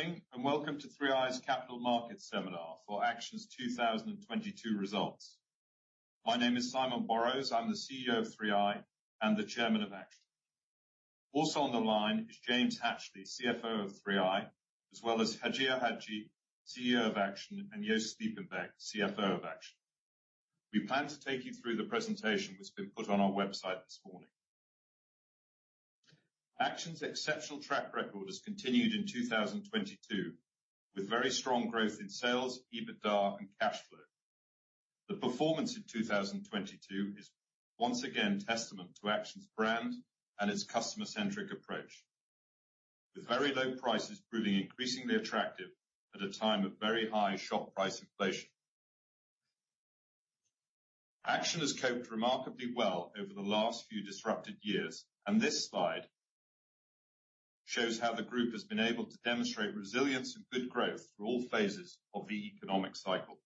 Morning, welcome to 3i's Capital Markets Seminar for Action's 2022 Results. My name is Simon Borrows. I'm the CEO of 3i and the Chairman of Action. Also on the line is James Hatchley, CFO of 3i, as well as Hajir Hajji, CEO of Action, and Joost Sliepenbeek, CFO of Action. We plan to take you through the presentation that's been put on our website this morning. Action's exceptional track record has continued in 2022, with very strong growth in sales, EBITDA, and cash flow. The performance in 2022 is once again testament to Action's brand and its customer-centric approach. With very low prices proving increasingly attractive at a time of very high shop price inflation. Action has coped remarkably well over the last few disrupted years, and this slide shows how the group has been able to demonstrate resilience and good growth through all phases of the economic cycle.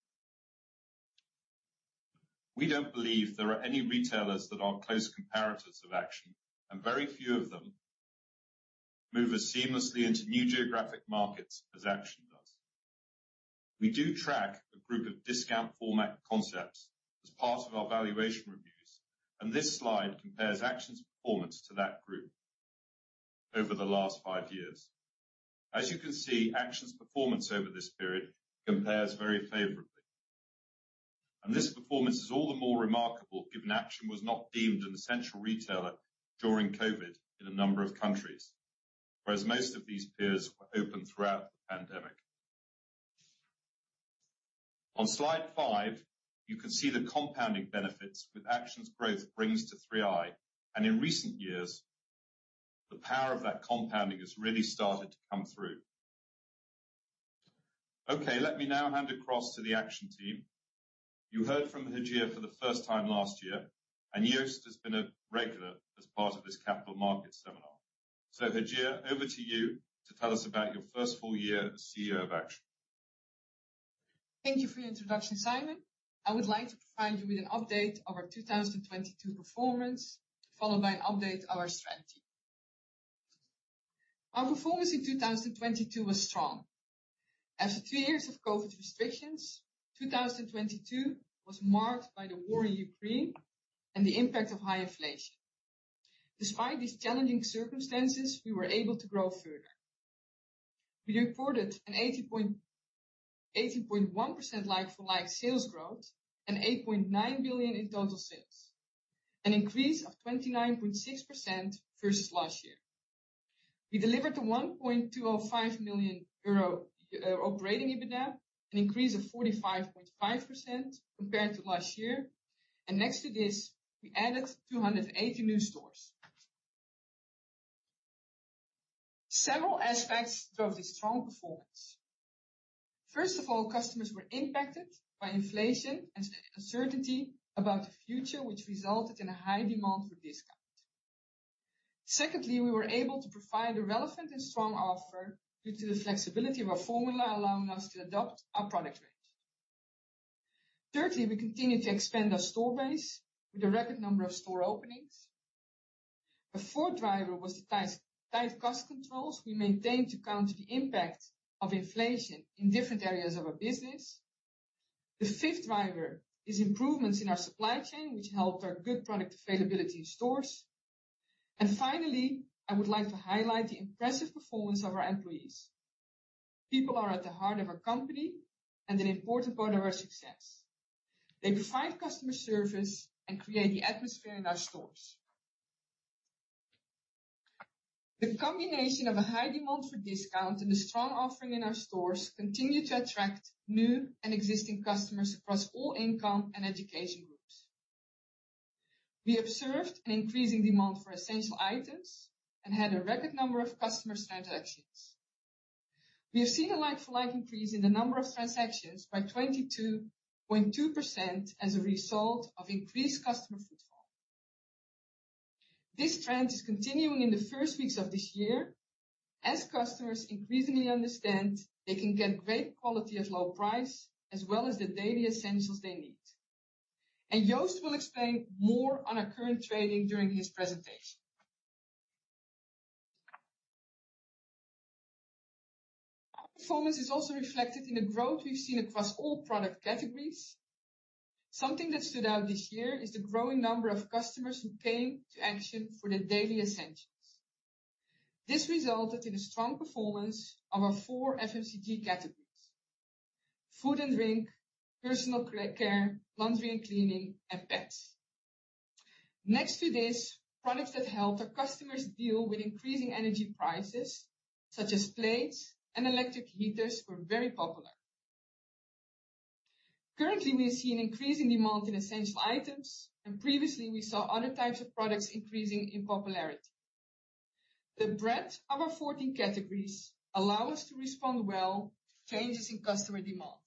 We don't believe there are any retailers that are close comparators of Action, and very few of them move as seamlessly into new geographic markets as Action does. We do track a group of discount format concepts as part of our valuation reviews, and this slide compares Action's performance to that group over the last five years. As you can see, Action's performance over this period compares very favorably. This performance is all the more remarkable given Action was not deemed an essential retailer during COVID in a number of countries, whereas most of these peers were open throughout the pandemic. On slide five, you can see the compounding benefits with Action's growth brings to 3i, and in recent years, the power of that compounding has really started to come through. Let me now hand across to the Action team. You heard from Hajir for the first time last year, and Joost has been a regular as part of this capital market seminar. Hajir, over to you to tell us about your first full year as CEO of Action. Thank you for your introduction, Simon. I would like to provide you with an update of our 2022 performance, followed by an update of our strategy. Our performance in 2022 was strong. After two years of COVID restrictions, 2022 was marked by the war in Ukraine and the impact of high inflation. Despite these challenging circumstances, we were able to grow further. We reported an 80.1% like-for-like sales growth and 8.9 billion in total sales. An increase of 29.6% versus last year. We delivered 1.205 million euro operating EBITDA, an increase of 45.5% compared to last year. Next to this, we added 280 new stores. Several aspects drove this strong performance. First of all, customers were impacted by inflation and uncertainty about the future, which resulted in a high demand for discount. Secondly, we were able to provide a relevant and strong offer due to the flexibility of our formula, allowing us to adopt our product range. Thirdly, we continued to expand our store base with a record number of store openings. The fourth driver was tight cost controls we maintained to counter the impact of inflation in different areas of our business. The fifth driver is improvements in our supply chain, which helped our good product availability in stores. Finally, I would like to highlight the impressive performance of our employees. People are at the heart of our company and an important part of our success. They provide customer service and create the atmosphere in our stores. The combination of a high demand for discount and the strong offering in our stores continued to attract new and existing customers across all income and education groups. We observed an increasing demand for essential items and had a record number of customer transactions. We have seen a like-for-like increase in the number of transactions by 22.2% as a result of increased customer footfall. This trend is continuing in the first weeks of this year as customers increasingly understand they can get great quality at low price, as well as the daily essentials they need. Joost Sliepenbeek will explain more on our current trading during his presentation. Our performance is also reflected in the growth we've seen across all product categories. Something that stood out this year is the growing number of customers who came to Action for their daily essentials. This resulted in a strong performance of our four FMCG categories: food and drink, personal care, laundry and cleaning, and pets. Next to this, products that helped our customers deal with increasing energy prices, such as plates and electric heaters, were very popular. Currently, we are seeing increasing demand in essential items, and previously we saw other types of products increasing in popularity. The breadth of our 14 categories allow us to respond well to changes in customer demands.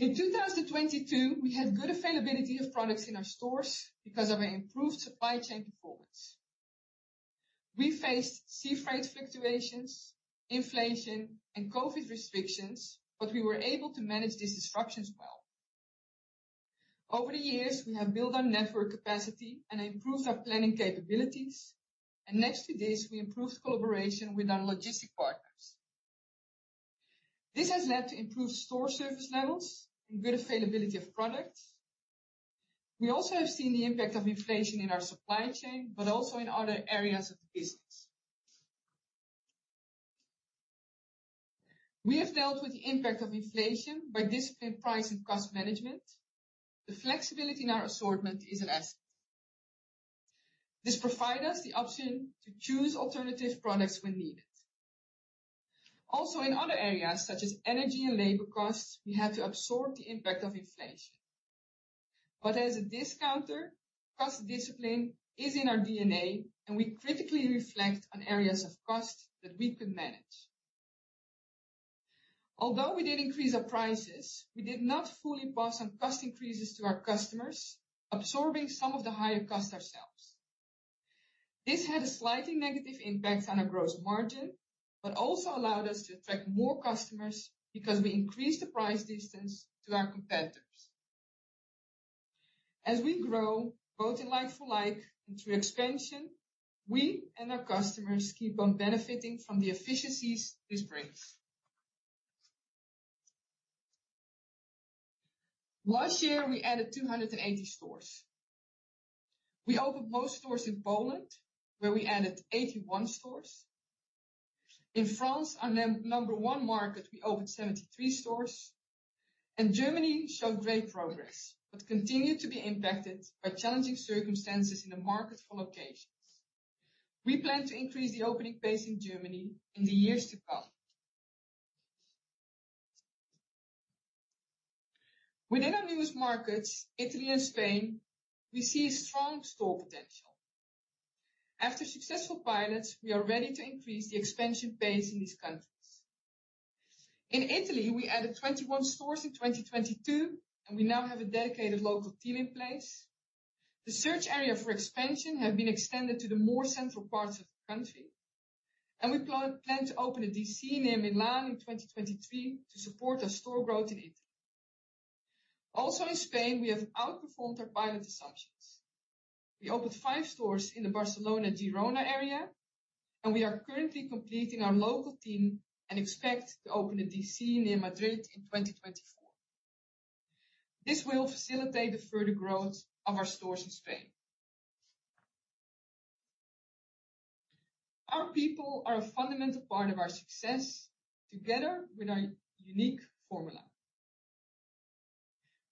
In 2022, we had good availability of products in our stores because of our improved supply chain performance. We faced sea freight fluctuations, inflation, and COVID restrictions, but we were able to manage these disruptions well. Over the years, we have built our network capacity and improved our planning capabilities, and next to this, we improved collaboration with our logistic partners. This has led to improved store service levels and good availability of products. We also have seen the impact of inflation in our supply chain, but also in other areas of the business. We have dealt with the impact of inflation by disciplined price and cost management. The flexibility in our assortment is an asset. This provides us the option to choose alternative products when needed. Also in other areas such as energy and labor costs, we have to absorb the impact of inflation. As a discounter, cost discipline is in our DNA, and we critically reflect on areas of cost that we could manage. Although we did increase our prices, we did not fully pass on cost increases to our customers, absorbing some of the higher costs ourselves. This had a slightly negative impact on our gross margin, but also allowed us to attract more customers because we increased the price distance to our competitors. As we grow, both in like-for-like and through expansion, we and our customers keep on benefiting from the efficiencies this brings. Last year, we added 280 stores. We opened most stores in Poland, where we added 81 stores. In France, our number one market, we opened 73 stores. Germany showed great progress, but continued to be impacted by challenging circumstances in the market for locations. We plan to increase the opening pace in Germany in the years to come. Within our newest markets, Italy and Spain, we see strong store potential. After successful pilots, we are ready to increase the expansion base in these countries. In Italy, we added 21 stores in 2022. We now have a dedicated local team in place. The search area for expansion have been extended to the more central parts of the country. We plan to open a DC near Milan in 2023 to support our store growth in Italy. In Spain, we have outperformed our pilot assumptions. We opened five stores in the Barcelona, Girona area. We are currently completing our local team and expect to open a DC near Madrid in 2024. This will facilitate the further growth of our stores in Spain. Our people are a fundamental part of our success, together with our unique formula.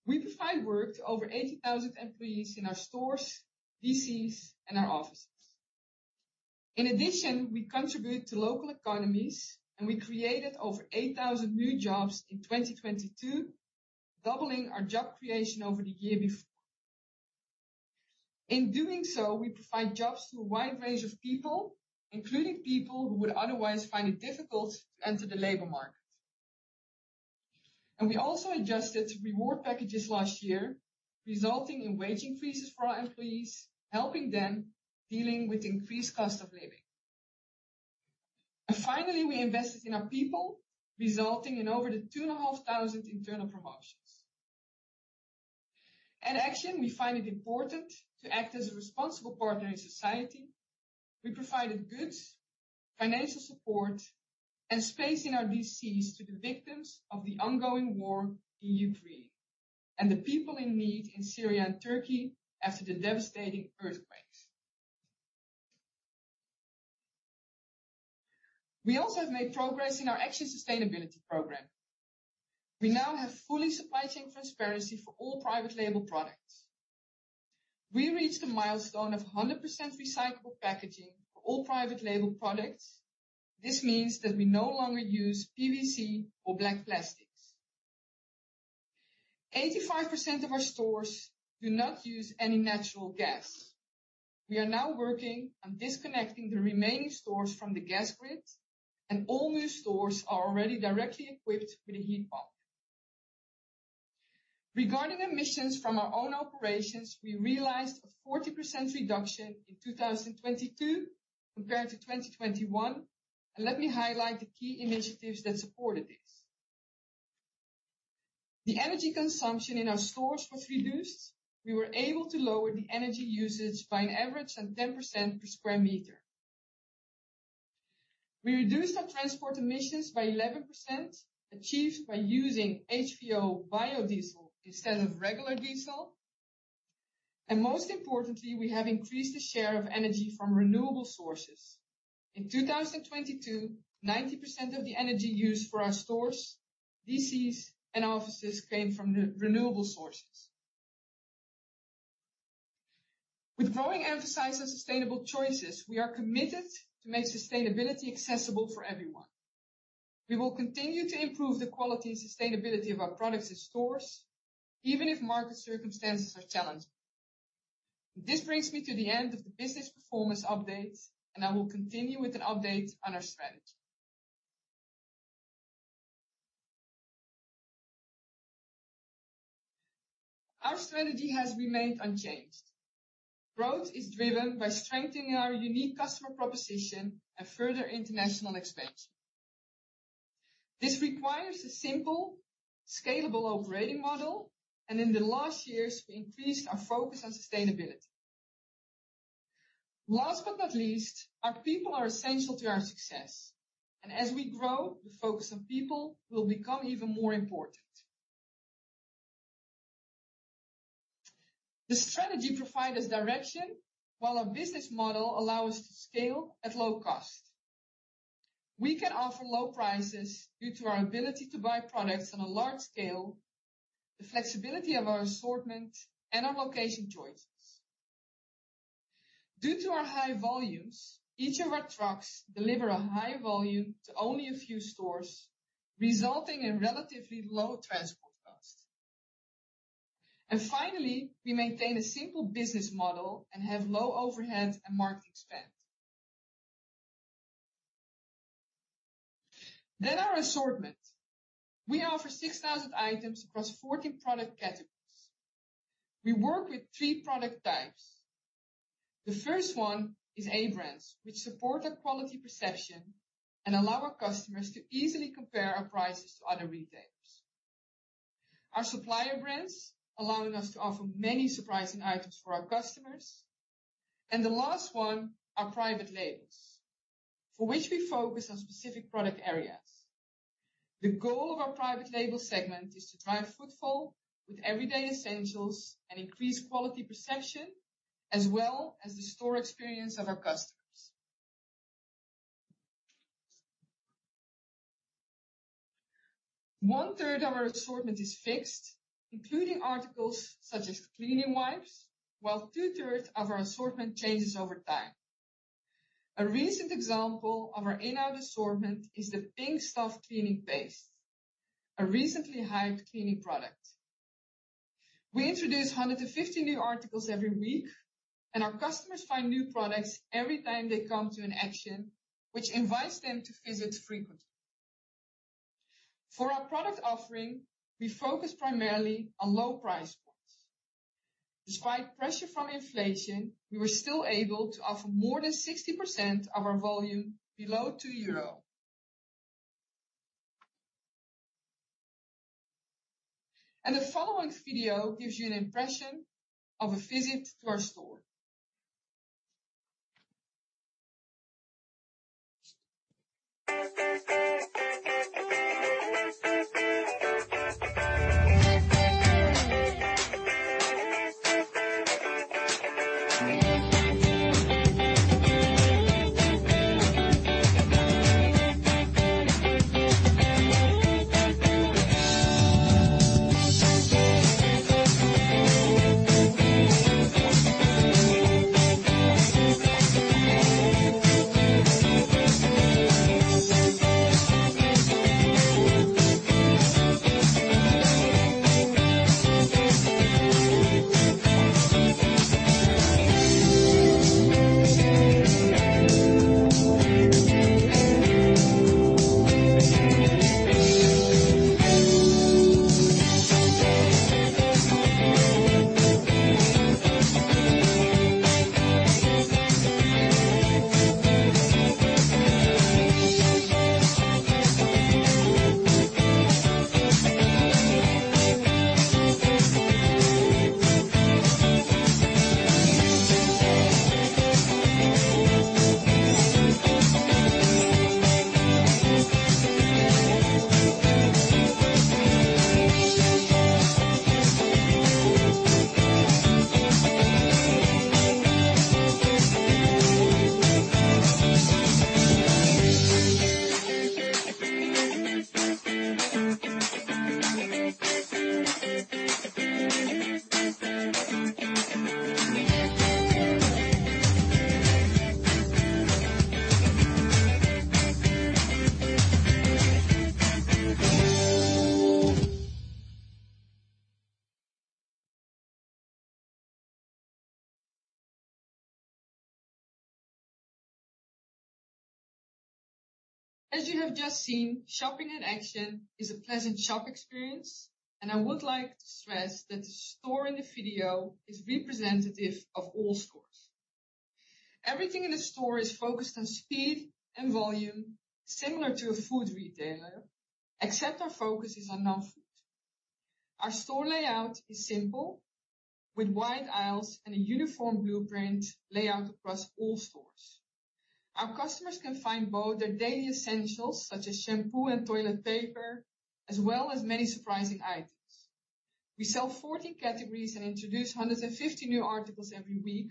We provide work to over 80,000 employees in our stores, DCs, and our offices. In addition, we contribute to local economies, we created over 8,000 new jobs in 2022, doubling our job creation over the year before. In doing so, we provide jobs to a wide range of people, including people who would otherwise find it difficult to enter the labor market. We also adjusted reward packages last year, resulting in wage increases for our employees, helping them dealing with increased cost of living. Finally, we invested in our people, resulting in over 2,500 internal promotions. At Action, we find it important to act as a responsible partner in society. We provided goods, financial support, and space in our DCs to the victims of the ongoing war in Ukraine and the people in need in Syria and Turkey after the devastating earthquakes. We also have made progress in our Action sustainability program. We now have fully supply chain transparency for all private label products. We reached a milestone of 100% recyclable packaging for all private label products. This means that we no longer use PVC or black plastics. 85% of our stores do not use any natural gas. We are now working on disconnecting the remaining stores from the gas grid, and all new stores are already directly equipped with a heat pump. Regarding emissions from our own operations, we realized a 40% reduction in 2022 compared to 2021, and let me highlight the key initiatives that supported this. The energy consumption in our stores was reduced. We were able to lower the energy usage by an average of 10% per sqm. We reduced our transport emissions by 11%, achieved by using HVO biodiesel instead of regular diesel. Most importantly, we have increased the share of energy from renewable sources. In 2022, 90% of the energy used for our stores, DCs, and offices came from renewable sources. With growing emphasis on sustainable choices, we are committed to make sustainability accessible for everyone. We will continue to improve the quality and sustainability of our products in stores, even if market circumstances are challenging. This brings me to the end of the business performance update, and I will continue with an update on our strategy. Our strategy has remained unchanged. Growth is driven by strengthening our unique customer proposition and further international expansion. This requires a simple, scalable operating model, and in the last years, we increased our focus on sustainability. Last but not least, our people are essential to our success, and as we grow, the focus on people will become even more important. The strategy provide us direction while our business model allow us to scale at low cost. We can offer low prices due to our ability to buy products on a large scale, the flexibility of our assortment, and our location choices. Due to our high volumes, each of our trucks deliver a high volume to only a few stores, resulting in relatively low transport costs. Finally, we maintain a simple business model and have low overheads and marketing spend. Our assortment. We offer 6,000 items across 14 product categories. We work with 3 product types. The first one is A brands, which support our quality perception and allow our customers to easily compare our prices to other retailers. Our supplier brands, allowing us to offer many surprising items for our customers. The last one, our private labels, for which we focus on specific product areas. The goal of our private label segment is to drive footfall with everyday essentials and increase quality perception, as well as the store experience of our customers. One third of our assortment is fixed, including articles such as cleaning wipes, while two-thirds of our assortment changes over time. A recent example of our in out assortment is The Pink Stuff cleaning paste, a recently hyped cleaning product. We introduce 100-150 new articles every week. Our customers find new products every time they come to an Action, which invites them to visit frequently. For our product offering, we focus primarily on low price points. Despite pressure from inflation, we were still able to offer more than 60% of our volume below 2 euro. The following video gives you an impression of a visit to our store. As you have just seen, shopping at Action is a pleasant shop experience, and I would like to stress that the store in the video is representative of all stores. Everything in the store is focused on speed and volume, similar to a food retailer, except our focus is on non-food. Our store layout is simple, with wide aisles and a uniform blueprint layout across all stores. Our customers can find both their daily essentials, such as shampoo and toilet paper, as well as many surprising items. We sell 14 categories and introduce 150 new articles every week,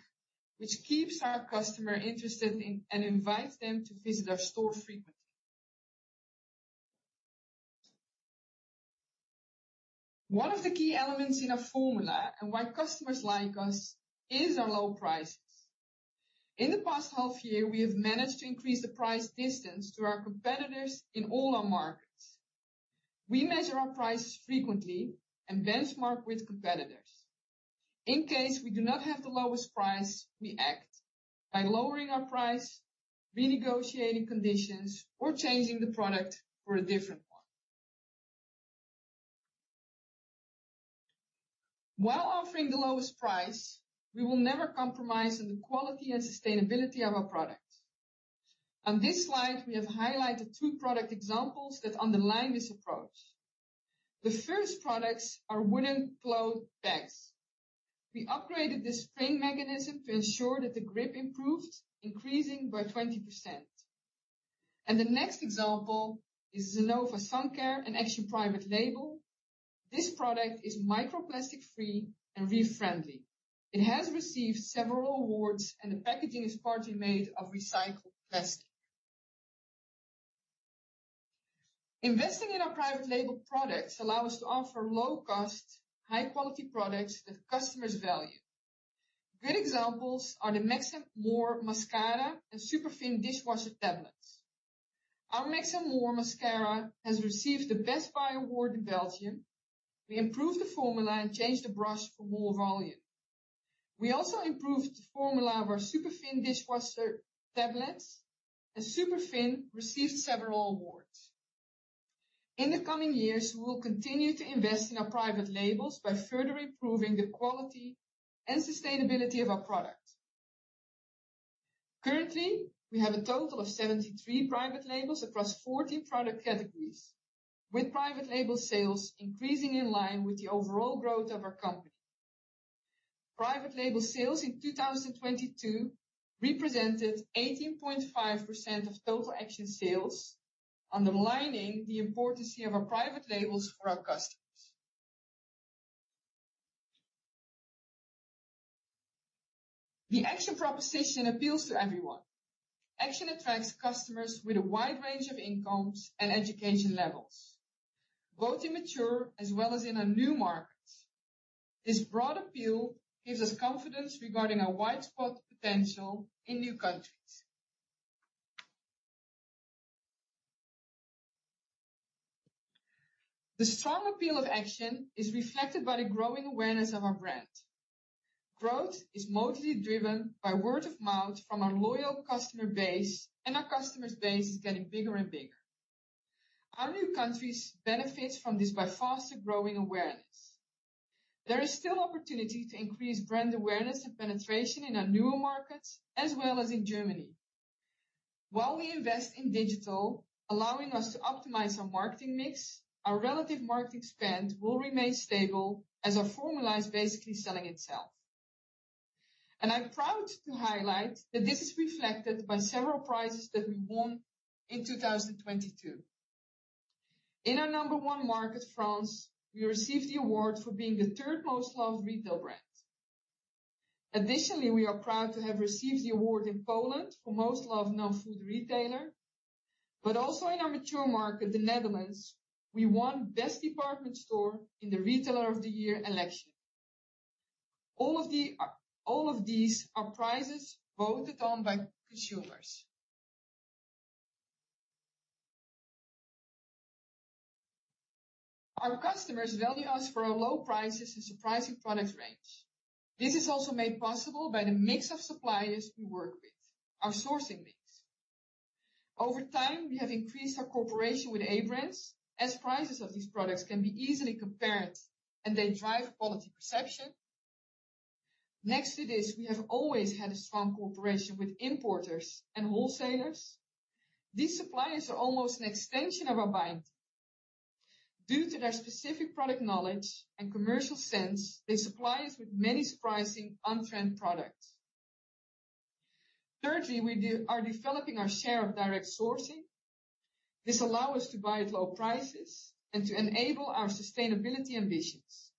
which keeps our customer interested in and invites them to visit our store frequently. One of the key elements in our formula and why customers like us is our low prices. In the past half year, we have managed to increase the price distance to our competitors in all our markets. We measure our prices frequently and benchmark with competitors. In case we do not have the lowest price, we act by lowering our price, renegotiating conditions, or changing the product for a different one. While offering the lowest price, we will never compromise on the quality and sustainability of our products. On this slide, we have highlighted two product examples that underline this approach. The first products are wooden clothes pegs. We upgraded the spring mechanism to ensure that the grip improved, increasing by 20%. The next example is Zenova's Suncare, an Action private label. This product is microplastic-free and reef-friendly. It has received several awards, and the packaging is partly made of recycled plastic. Investing in our private label products allow us to offer low cost, high quality products that customers value. Good examples are the Max & More mascara and Superfinn dishwasher tablets. Our Max & More mascara has received the Best Buy award in Belgium. We improved the formula and changed the brush for more volume. We also improved the formula of our Superfinn dishwasher tablets. Superfinn received several awards. In the coming years, we will continue to invest in our private labels by further improving the quality and sustainability of our products. Currently, we have a total of 73 private labels across 14 product categories, with private label sales increasing in line with the overall growth of our company. Private label sales in 2022 represented 18.5% of total Action sales, underlining the importance of our private labels for our customers. The Action proposition appeals to everyone. Action attracts customers with a wide range of incomes and education levels, both in mature as well as in our new markets. This broad appeal gives us confidence regarding our wide spot potential in new countries. The strong appeal of Action is reflected by the growing awareness of our brand. Growth is mostly driven by word of mouth from our loyal customer base, and our customer base is getting bigger and bigger. Our new countries benefit from this by faster growing awareness. There is still opportunity to increase brand awareness and penetration in our newer markets as well as in Germany. While we invest in digital, allowing us to optimize our marketing mix, our relative marketing spend will remain stable as our formula is basically selling itself. I'm proud to highlight that this is reflected by several prizes that we won in 2022. In our number 1 market, France, we received the award for being the 3rd most loved retail brand. Additionally, we are proud to have received the award in Poland for most loved non-food retailer. Also in our mature market, the Netherlands, we won Best Department Store in the Retailer of the Year election. All of these are prizes voted on by consumers. Our customers value us for our low prices and surprising product range. This is also made possible by the mix of suppliers we work with, our sourcing mix. Over time, we have increased our cooperation with A brands as prices of these products can be easily compared, and they drive quality perception. Next to this, we have always had a strong cooperation with importers and wholesalers. These suppliers are almost an extension of our buying team. Due to their specific product knowledge and commercial sense, they supply us with many surprising on-trend products. Thirdly, we are developing our share of direct sourcing. This allow us to buy at low prices and to enable our sustainability ambitions.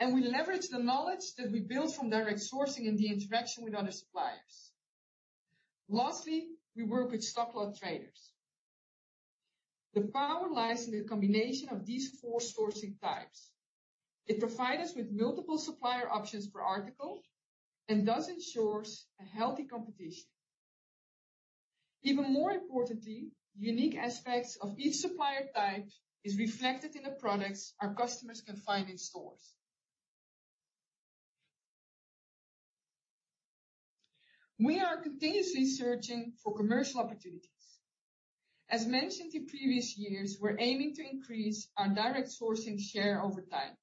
We leverage the knowledge that we build from direct sourcing and the interaction with other suppliers. Lastly, we work with stock lot traders. The power lies in the combination of these 4 sourcing types. They provide us with multiple supplier options per article and thus ensures a healthy competition. Even more importantly, unique aspects of each supplier type is reflected in the products our customers can find in stores. We are continuously searching for commercial opportunities. As mentioned in previous years, we're aiming to increase our direct sourcing share over time.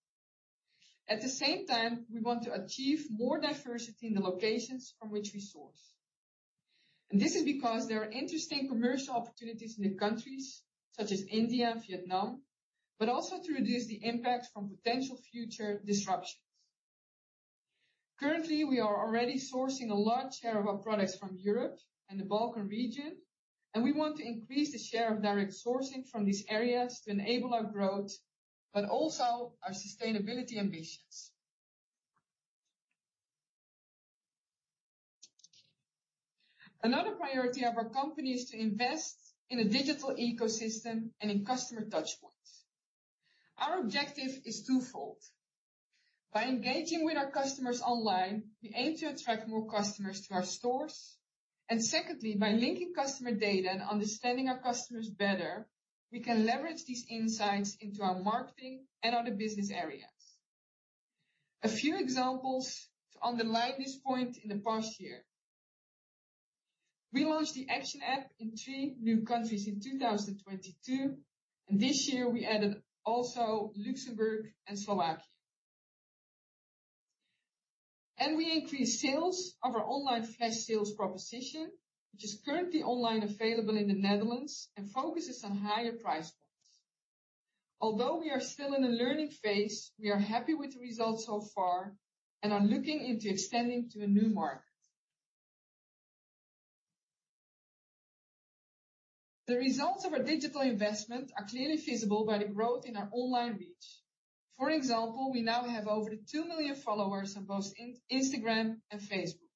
At the same time, we want to achieve more diversity in the locations from which we source. This is because there are interesting commercial opportunities in the countries such as India and Vietnam, but also to reduce the impact from potential future disruptions. Currently, we are already sourcing a large share of our products from Europe and the Balkan region, and we want to increase the share of direct sourcing from these areas to enable our growth, but also our sustainability ambitions. Another priority of our company is to invest in a digital ecosystem and in customer touchpoints. Our objective is twofold. By engaging with our customers online, we aim to attract more customers to our stores. Secondly, by linking customer data and understanding our customers better, we can leverage these insights into our marketing and other business areas. A few examples to underline this point. In the past year, we launched the Action app in three new countries in 2022, and this year we added also Luxembourg and Slovakia. We increased sales of our online flash sales proposition, which is currently online available in the Netherlands and focuses on higher price points. Although we are still in a learning phase, we are happy with the results so far and are looking into extending to a new market. The results of our digital investment are clearly visible by the growth in our online reach. For example, we now have over 2 million followers on both Instagram and Facebook.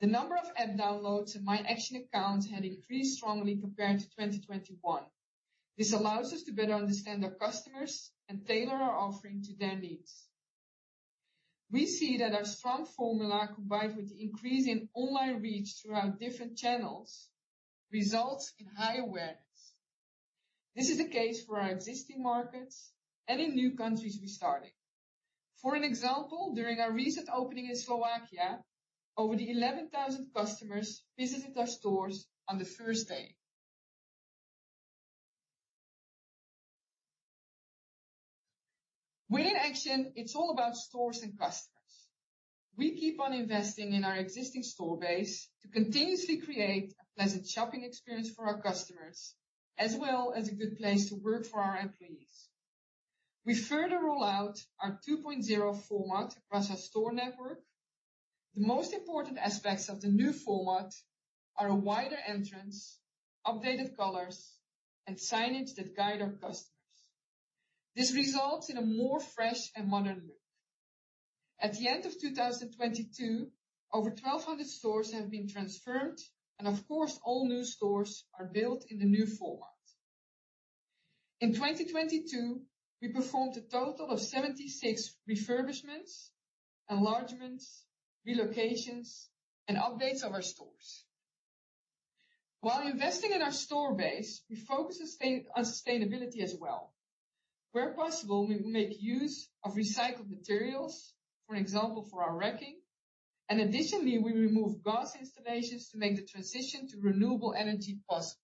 The number of app downloads and My Action account had increased strongly compared to 2021.This allows us to better understand our customers and tailor our offering to their needs. We see that our strong formula, combined with the increase in online reach throughout different channels, results in high awareness. This is the case for our existing markets and in new countries we're starting. For an example, during our recent opening in Slovakia, over 11,000 customers visited our stores on the first day. We at Action, it's all about stores and customers. We keep on investing in our existing store base to continuously create a pleasant shopping experience for our customers, as well as a good place to work for our employees. We further roll out our 2.0 format across our store network. The most important aspects of the new format are a wider entrance, updated colors, and signage that guide our customers. This results in a more fresh and modern look. At the end of 2022, over 1,200 stores have been transformed, and of course, all new stores are built in the new format. In 2022, we performed a total of 76 refurbishments, enlargements, relocations, and updates of our stores. While investing in our store base, we focus on sustainability as well. Where possible, we will make use of recycled materials, for example, for our racking, and additionally, we remove gas installations to make the transition to renewable energy possible.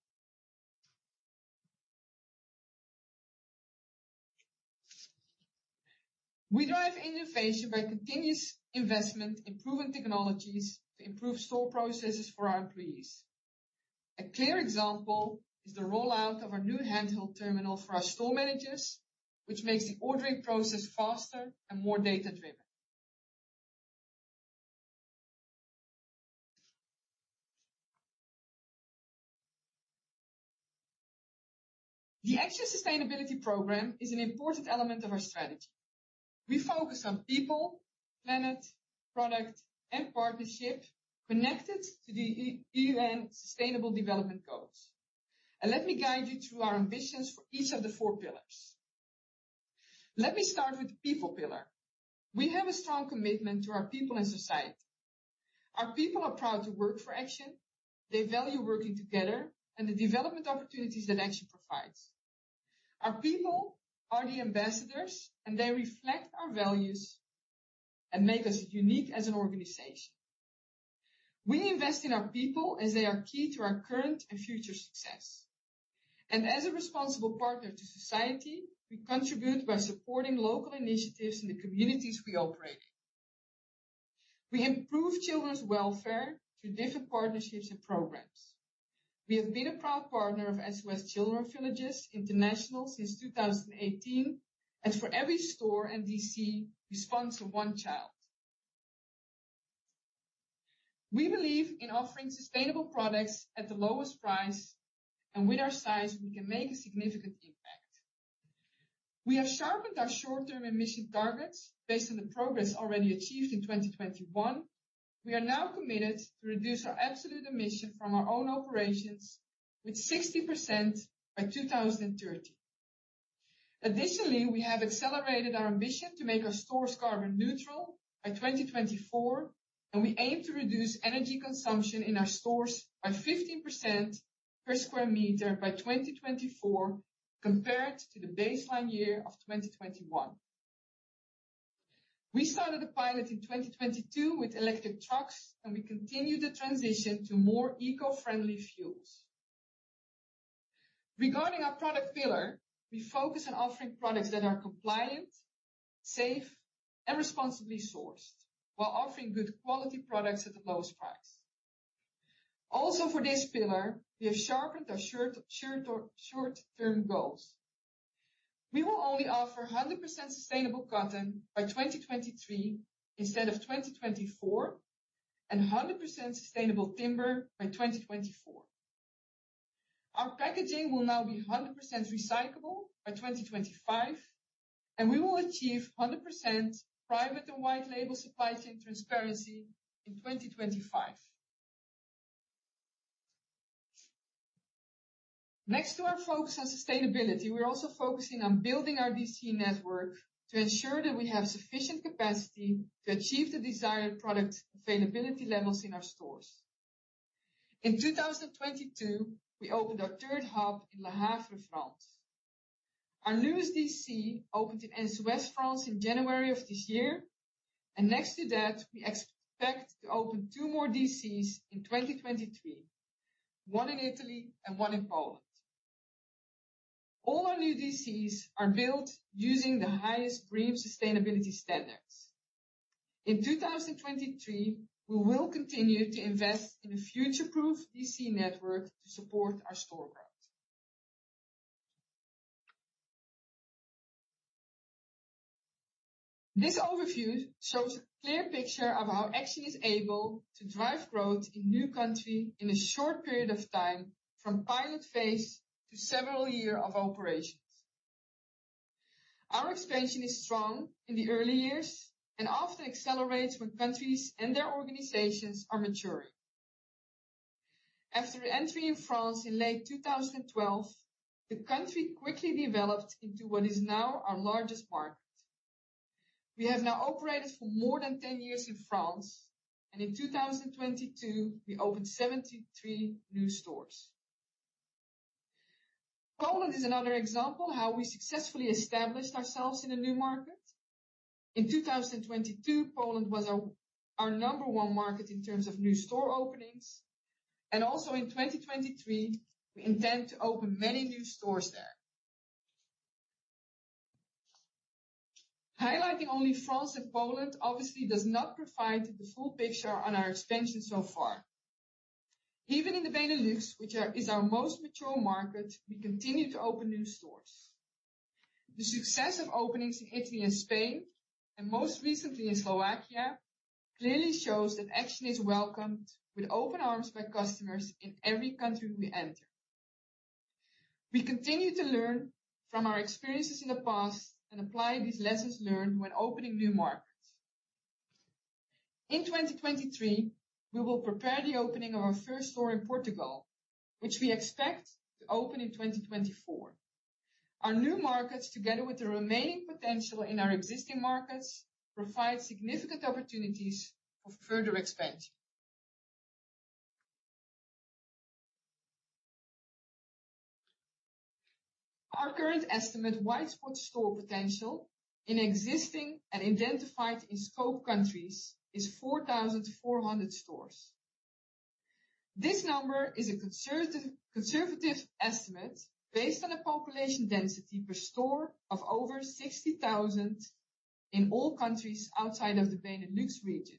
We drive innovation by continuous investment, improving technologies to improve store processes for our employees. A clear example is the rollout of our new handheld terminal for our store managers, which makes the ordering process faster and more data-driven. The Action sustainability program is an important element of our strategy. We focus on people, planet, product, and partnership connected to the UN Sustainable Development Goals. Let me guide you through our ambitions for each of the four pillars. Let me start with the people pillar. We have a strong commitment to our people and society. Our people are proud to work for Action. They value working together and the development opportunities that Action provides. Our people are the ambassadors, and they reflect our values and make us unique as an organization. We invest in our people as they are key to our current and future success. As a responsible partner to society, we contribute by supporting local initiatives in the communities we operate in. We improve children's welfare through different partnerships and programs. We have been a proud partner of SOS Children's Villages International since 2018, and for every store and D.C., we sponsor one child. We believe in offering sustainable products at the lowest price, and with our size, we can make a significant impact. We have sharpened our short-term emission targets based on the progress already achieved in 2021. We are now committed to reduce our absolute emission from our own operations with 60% by 2030. Additionally, we have accelerated our ambition to make our stores carbon neutral by 2024, and we aim to reduce energy consumption in our stores by 15% per sqm by 2024 compared to the baseline year of 2021. We started a pilot in 2022 with electric trucks, and we continue the transition to more eco-friendly fuels. Regarding our product pillar, we focus on offering products that are compliant, safe, and responsibly sourced, while offering good quality products at the lowest price. Also, for this pillar, we have sharpened our short-term goals. We will only offer 100% sustainable cotton by 2023 instead of 2024, and 100% sustainable timber by 2024. Our packaging will now be 100% recyclable by 2025, and we will achieve 100% private and white label supply chain transparency in 2025. Next to our focus on sustainability, we're also focusing on building our DC network to ensure that we have sufficient capacity to achieve the desired product availability levels in our stores. In 2022, we opened our third hub in Le Havre, France. Our newest DC opened in West France in January of this year, and next to that, we expect to open two more DCs in 2023, one in Italy and one in Poland. All our new DCs are built using the highest BREEAM sustainability standards. In 2023, we will continue to invest in a future-proof DC network to support our store growth. This overview shows a clear picture of how Action is able to drive growth in new country in a short period of time, from pilot phase to several year of operations. Our expansion is strong in the early years and often accelerates when countries and their organizations are maturing. After entry in France in late 2012, the country quickly developed into what is now our largest market. We have now operated for more than 10 years in France, and in 2022, we opened 73 new stores. Poland is another example how we successfully established ourselves in a new market. In 2022, Poland was our number 1 market in terms of new store openings. Also in 2023, we intend to open many new stores there. Highlighting only France and Poland obviously does not provide the full picture on our expansion so far. Even in the Benelux, which is our most mature market, we continue to open new stores. The success of openings in Italy and Spain, and most recently in Slovakia, clearly shows that Action is welcomed with open arms by customers in every country we enter. We continue to learn from our experiences in the past and apply these lessons learned when opening new markets. In 2023, we will prepare the opening of our first store in Portugal, which we expect to open in 2024. Our new markets, together with the remaining potential in our existing markets, provide significant opportunities for further expansion. Our current estimate white space store potential in existing and identified in scope countries is 4,400 stores. This number is a conservative estimate based on a population density per store of over 60,000 in all countries outside of the Benelux region,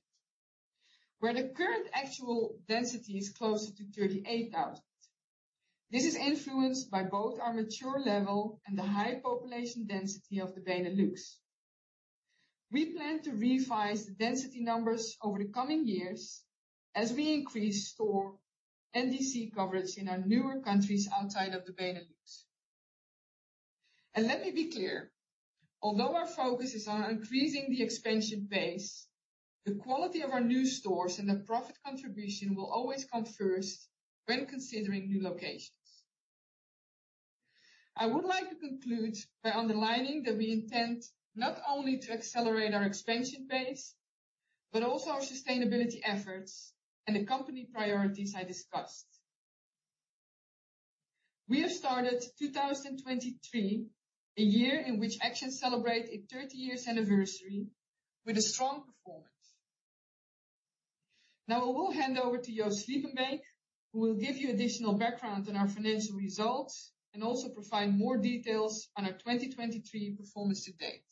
where the current actual density is closer to 38,000. This is influenced by both our mature level and the high population density of the Benelux. We plan to revise the density numbers over the coming years as we increase store NDC coverage in our newer countries outside of the Benelux. Let me be clear, although our focus is on increasing the expansion base, the quality of our new stores and the profit contribution will always come first when considering new locations. I would like to conclude by underlining that we intend not only to accelerate our expansion base, but also our sustainability efforts and the company priorities I discussed. We have started 2023, a year in which Action celebrate a 30 years anniversary, with a strong performance. I will hand over to Joost Sliepenbeek, who will give you additional background on our financial results and also provide more details on our 2023 performance to date.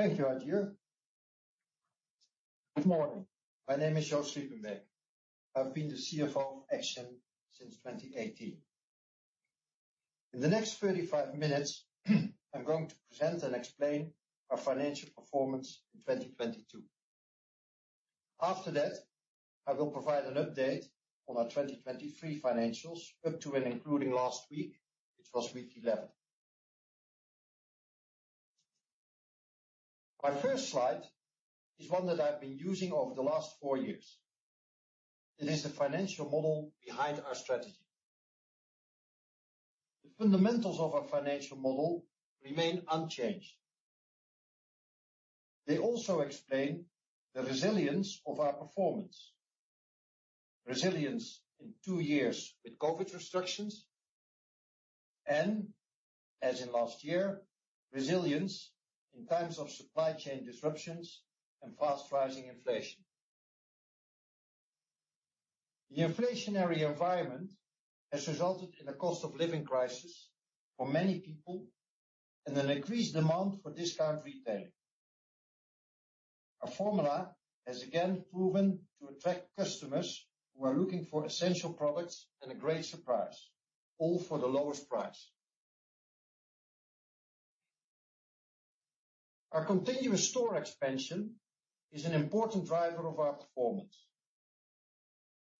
Thank you, Hajir. Good morning. My name is Joost Sliepenbeek. I've been the CFO of Action since 2018. In the next 35 minutes, I'm going to present and explain our financial performance in 2022. After that, I will provide an update on our 2023 financials up to and including last week, which was week 11. My first slide is one that I've been using over the last 4 years. It is the financial model behind our strategy. The fundamentals of our financial model remain unchanged. They also explain the resilience of our performance. Resilience in 2 years with COVID restrictions, and as in last year, resilience in times of supply chain disruptions and fast-rising inflation. The inflationary environment has resulted in a cost of living crisis for many people and an increased demand for discount retailing. Our formula has again proven to attract customers who are looking for essential products and a great surprise, all for the lowest price. Our continuous store expansion is an important driver of our performance.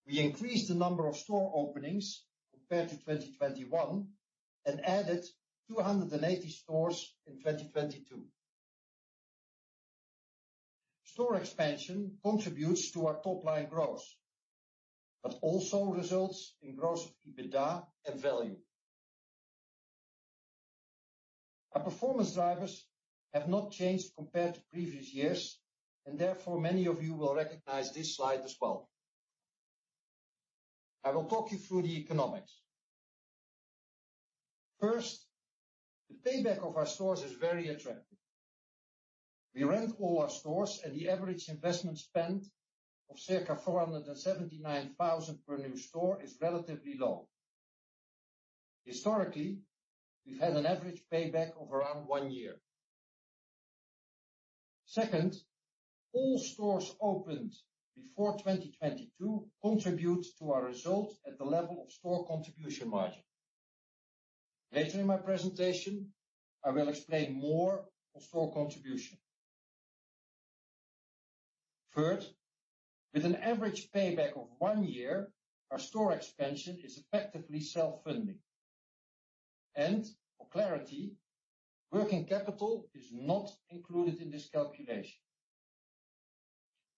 We increased the number of store openings compared to 2021 and added 280 stores in 2022. Store expansion contributes to our top line growth, but also results in growth of EBITDA and value. Our performance drivers have not changed compared to previous years, and therefore, many of you will recognize this slide as well. I will talk you through the economics. First, the payback of our stores is very attractive. We rent all our stores, and the average investment spend of circa 479,000 per new store is relatively low. Historically, we've had an average payback of around 1 year. Second, all stores opened before 2022 contribute to our results at the level of store contribution margin. Later in my presentation, I will explain more of store contribution. Third, with an average payback of 1 year, our store expansion is effectively self-funding. For clarity, working capital is not included in this calculation.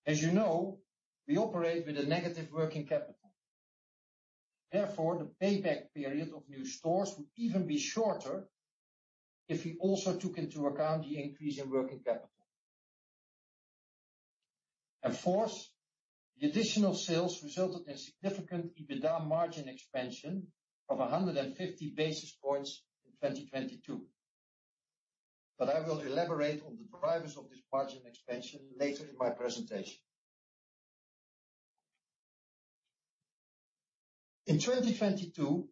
As you know, we operate with a negative working capital. Therefore, the payback period of new stores would even be shorter if we also took into account the increase in working capital. Fourth, the additional sales resulted in significant EBITDA margin expansion of 150 basis points in 2022. I will elaborate on the drivers of this margin expansion later in my presentation. In 2022,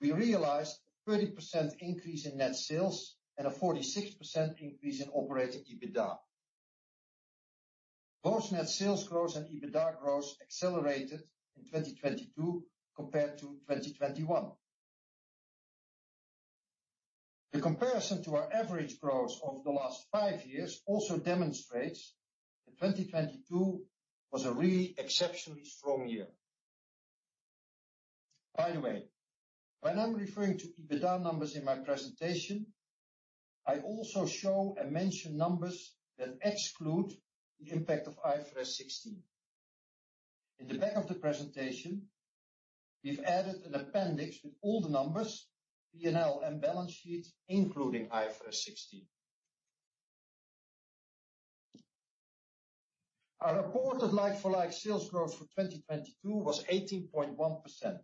we realized a 30% increase in net sales and a 46% increase in operating EBITDA. Both net sales growth and EBITDA growth accelerated in 2022 compared to 2021. The comparison to our average growth over the last five years also demonstrates that 2022 was a really exceptionally strong year. When I'm referring to EBITDA numbers in my presentation, I also show and mention numbers that exclude the impact of IFRS 16. In the back of the presentation, we've added an appendix with all the numbers, P&L, and balance sheet, including IFRS 16. Our reported like-for-like sales growth for 2022 was 18.1%.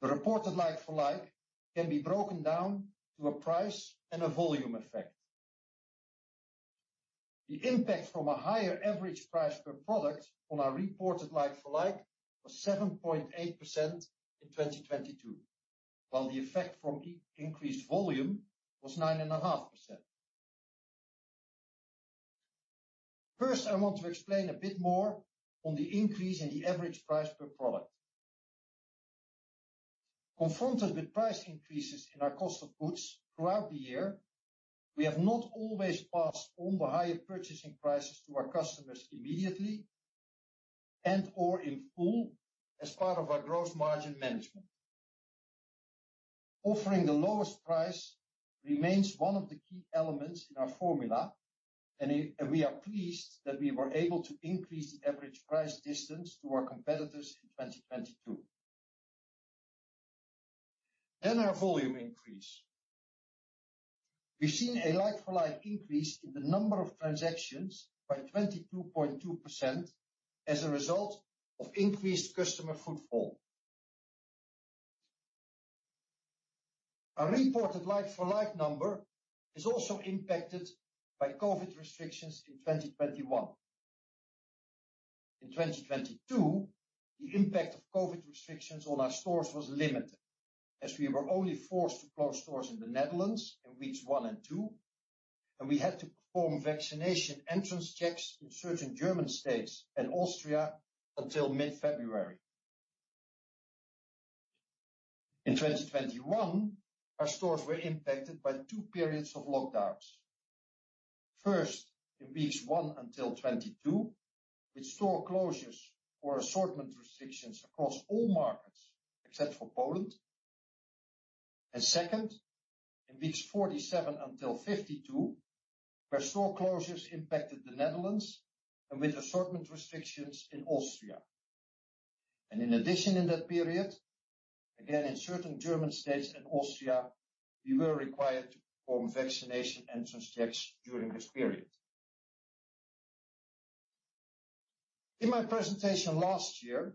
The reported like-for-like can be broken down to a price and a volume effect. The impact from a higher average price per product on our reported like-for-like was 7.8% in 2022, while the effect from increased volume was 9.5%. First, I want to explain a bit more on the increase in the average price per product. Confronted with price increases in our cost of goods throughout the year, we have not always passed on the higher purchasing prices to our customers immediately and/or in full as part of our growth margin management. Offering the lowest price remains one of the key elements in our formula, and we are pleased that we were able to increase the average price distance to our competitors in 2022. Our volume increase. We've seen a like-for-like increase in the number of transactions by 22.2% as a result of increased customer footfall. Our reported like-for-like number is also impacted by COVID restrictions in 2021. In 2022, the impact of COVID restrictions on our stores was limited, as we were only forced to close stores in the Netherlands in weeks 1 and 2, and we had to perform vaccination entrance checks in certain German states and Austria until mid-February. In 2021, our stores were impacted by two periods of lockdowns. First, in weeks 1 until 22, with store closures or assortment restrictions across all markets except for Poland. Second, in weeks 47 until 52, where store closures impacted the Netherlands and with assortment restrictions in Austria. In addition, in that period, again, in certain German states and Austria, we were required to perform vaccination entrance checks during this period. In my presentation last year,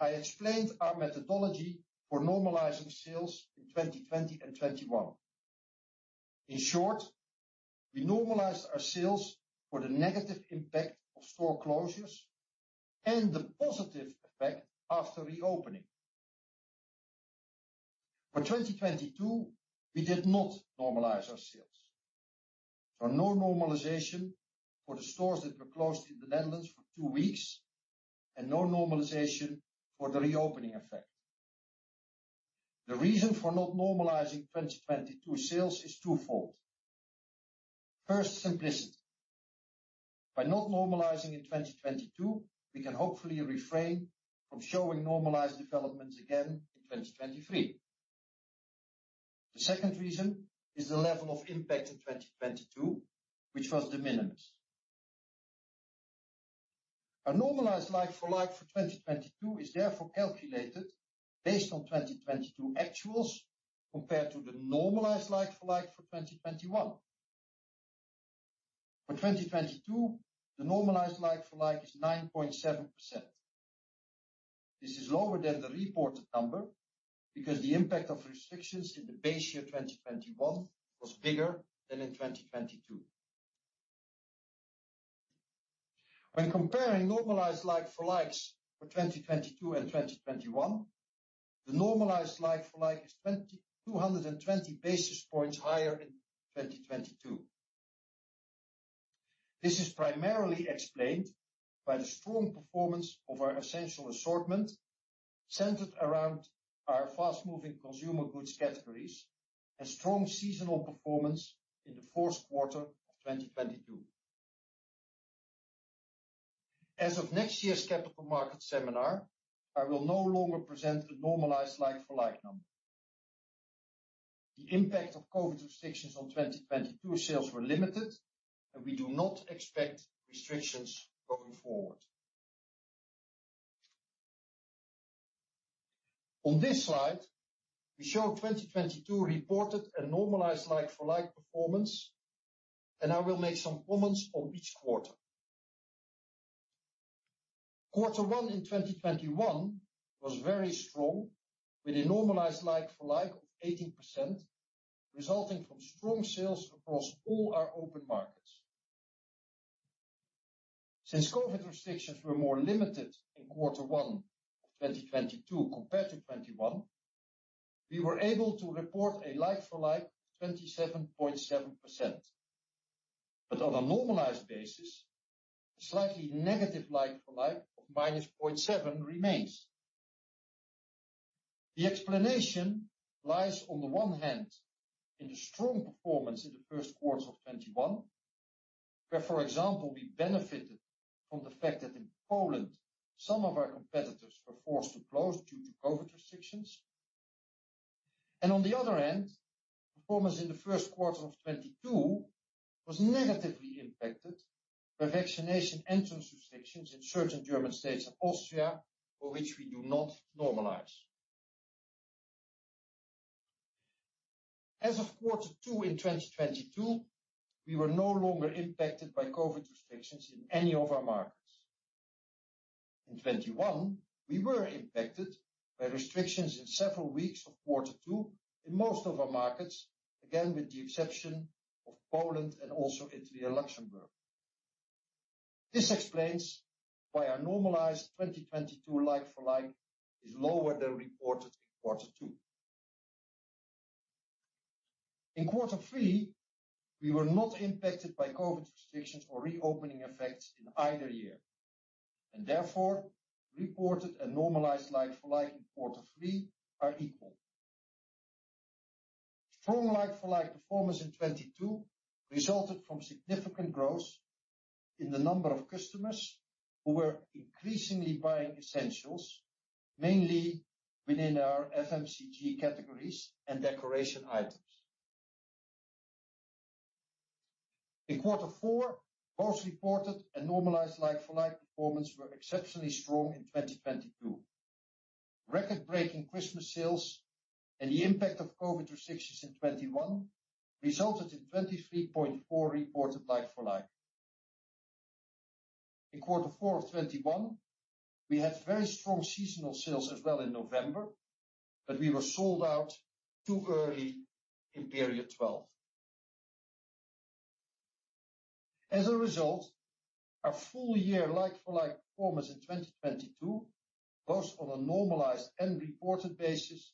I explained our methodology for normalizing sales in 2020 and 2021. In short, we normalized our sales for the negative impact of store closures and the positive effect after reopening. For 2022, we did not normalize our sales. No normalization for the stores that were closed in the Netherlands for 2 weeks, and no normalization for the reopening effect. The reason for not normalizing 2022 sales is twofold. First, simplicity. By not normalizing in 2022, we can hopefully refrain from showing normalized developments again in 2023. The second reason is the level of impact in 2022, which was de minimis. Our normalized like-for-like for 2022 is therefore calculated based on 2022 actuals compared to the normalized like-for-like for 2021. For 2022, the normalized like-for-like is 9.7%. This is lower than the reported number because the impact of restrictions in the base year, 2021, was bigger than in 2022. When comparing normalized like-for-likes for 2022 and 2021, the normalized like-for-like is 220 basis points higher in 2022. This is primarily explained by the strong performance of our essential assortment, centered around our fast-moving consumer goods categories and strong seasonal performance in the Q4 of 2022. As of next year's capital market seminar, I will no longer present a normalized like-for-like number. The impact of COVID restrictions on 2022 sales were limited, and we do not expect restrictions going forward. On this slide, we show 2022 reported and normalized like-for-like performance, and I will make some comments on each quarter. Q1 in 2021 was very strong, with a normalized like-for-like of 18%, resulting from strong sales across all our open markets. Since COVID restrictions were more limited in Q1 of 2022 compared to 2021, we were able to report a like-for-like of 27.7%. On a normalized basis, a slightly negative like-for-like of -0.7% remains. The explanation lies, on the one hand, in the strong performance in the Q1 of 2021, where, for example, we benefited from the fact that in Poland some of our competitors were forced to close due to COVID restrictions. On the other hand, performance in the Q1 of 2022 was negatively impacted by vaccination entrance restrictions in certain German states and Austria, for which we do not normalize. As of Q2 in 2022, we were no longer impacted by COVID restrictions in any of our markets. In 2021, we were impacted by restrictions in several weeks of Q2 in most of our markets, again with the exception of Poland and also Italy and Luxembourg. This explains why our normalized 2022 like-for-like is lower than reported in Q2. In Q3, we were not impacted by COVID restrictions or reopening effects in either year, and therefore reported and normalized like-for-like in Q3 are equal. Strong like-for-like performance in 2022 resulted from significant growth in the number of customers who were increasingly buying essentials, mainly within our FMCG categories and decoration items. In Q4, both reported and normalized like-for-like performance were exceptionally strong in 2022. Record-breaking Christmas sales and the impact of COVID restrictions in 2021 resulted in 23.4 reported like-for-like. In Q4 of 2021, we had very strong seasonal sales as well in November. We were sold out too early in period 12. As a result, our full year like-for-like performance in 2022, both on a normalized and reported basis,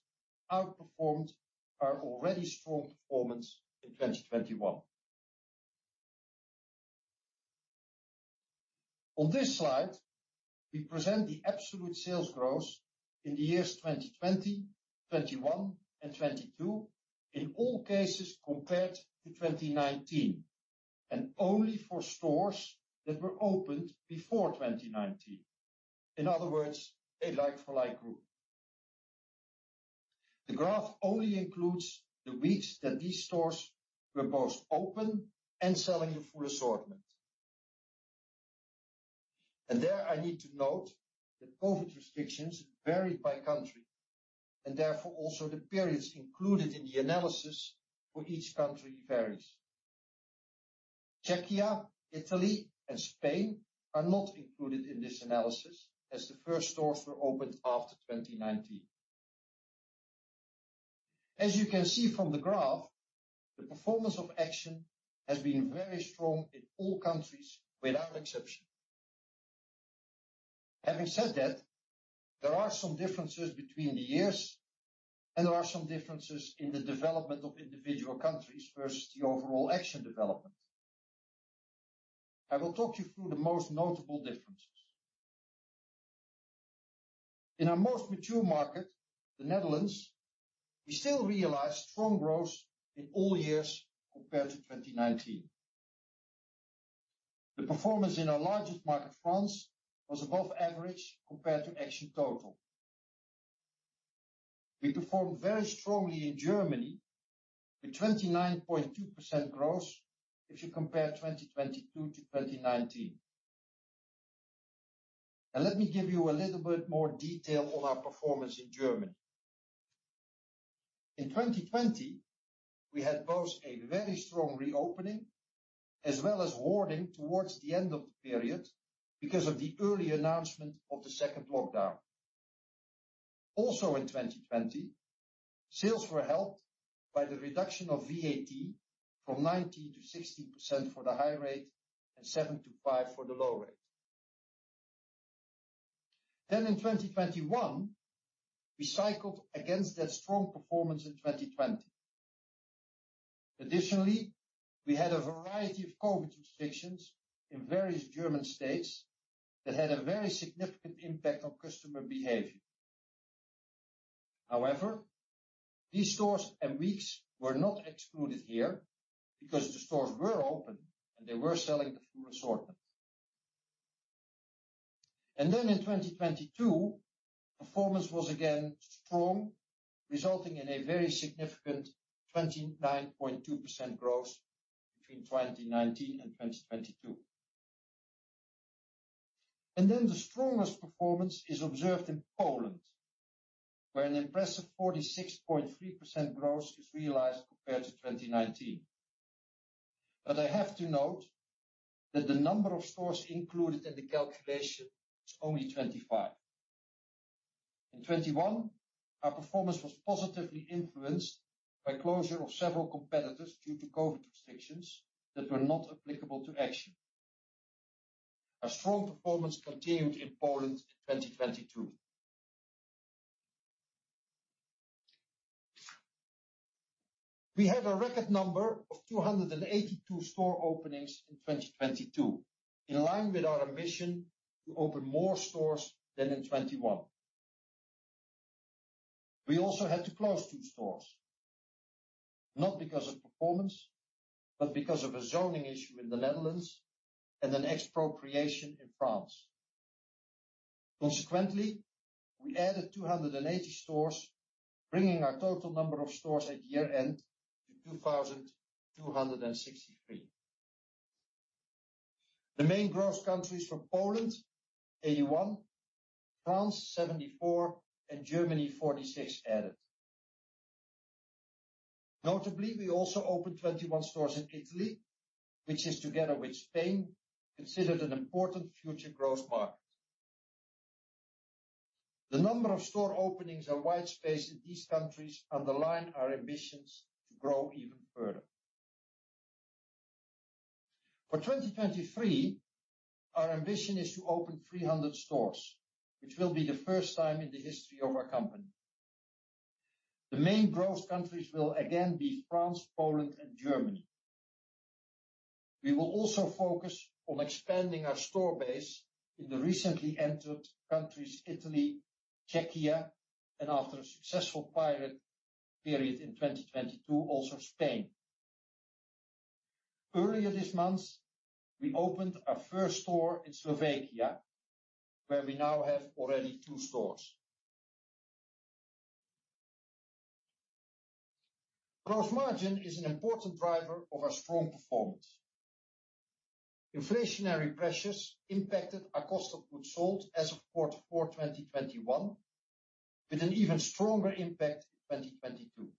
outperformed our already strong performance in 2021. On this slide, we present the absolute sales growth in the years 2020, 2021, and 2022, in all cases compared to 2019 and only for stores that were opened before 2019. In other words, a like-for-like group. The graph only includes the weeks that these stores were both open and selling a full assortment. There, I need to note that COVID restrictions varied by country and therefore also the periods included in the analysis for each country varies. Czechia, Italy, and Spain are not included in this analysis as the first stores were opened after 2019. As you can see from the graph, the performance of Action has been very strong in all countries without exception. Having said that, there are some differences between the years, and there are some differences in the development of individual countries versus the overall Action development. I will talk you through the most notable differences. In our most mature market, the Netherlands, we still realized strong growth in all years compared to 2019. The performance in our largest market, France, was above average compared to Action total. We performed very strongly in Germany with 29.2% growth if you compare 2022 to 2019. Now, let me give you a little bit more detail on our performance in Germany. In 2020, we had both a very strong reopening as well as hoarding towards the end of the period because of the early announcement of the second lockdown. In 2020, sales were helped by the reduction of VAT from 90% to 60% for the high rate and 7% to 5% for the low rate. In 2021, we cycled against that strong performance in 2020. Additionally, we had a variety of COVID restrictions in various German states that had a very significant impact on customer behavior. However, these stores and weeks were not excluded here because the stores were open, and they were selling the full assortment. In 2022, performance was again strong, resulting in a very significant 29.2% growth between 2019 and 2022. The strongest performance is observed in Poland, where an impressive 46.3% growth is realized compared to 2019. I have to note that the number of stores included in the calculation is only 25. In 2021, our performance was positively influenced by closure of several competitors due to COVID restrictions that were not applicable to Action. Our strong performance continued in Poland in 2022. We had a record number of 282 store openings in 2022, in line with our ambition to open more stores than in 2021. We also had to close 2 stores, not because of performance, but because of a zoning issue in the Netherlands and an expropriation in France. Consequently, we added 280 stores, bringing our total number of stores at year-end to 2,263. The main growth countries were Poland, 81, France, 74, and Germany, 46 added. Notably, we also opened 21 stores in Italy, which is together with Spain, considered an important future growth market. The number of store openings and white space in these countries underline our ambitions to grow even further. For 2023, our ambition is to open 300 stores, which will be the first time in the history of our company. The main growth countries will again be France, Poland, and Germany. We will also focus on expanding our store base in the recently entered countries, Italy, Czechia, and after a successful pilot period in 2022, also Spain. Earlier this month, we opened our first store in Slovakia, where we now have already two stores. Gross margin is an important driver of our strong performance. Inflationary pressures impacted our cost of goods sold as of Q4, 2021, with an even stronger impact in 2022.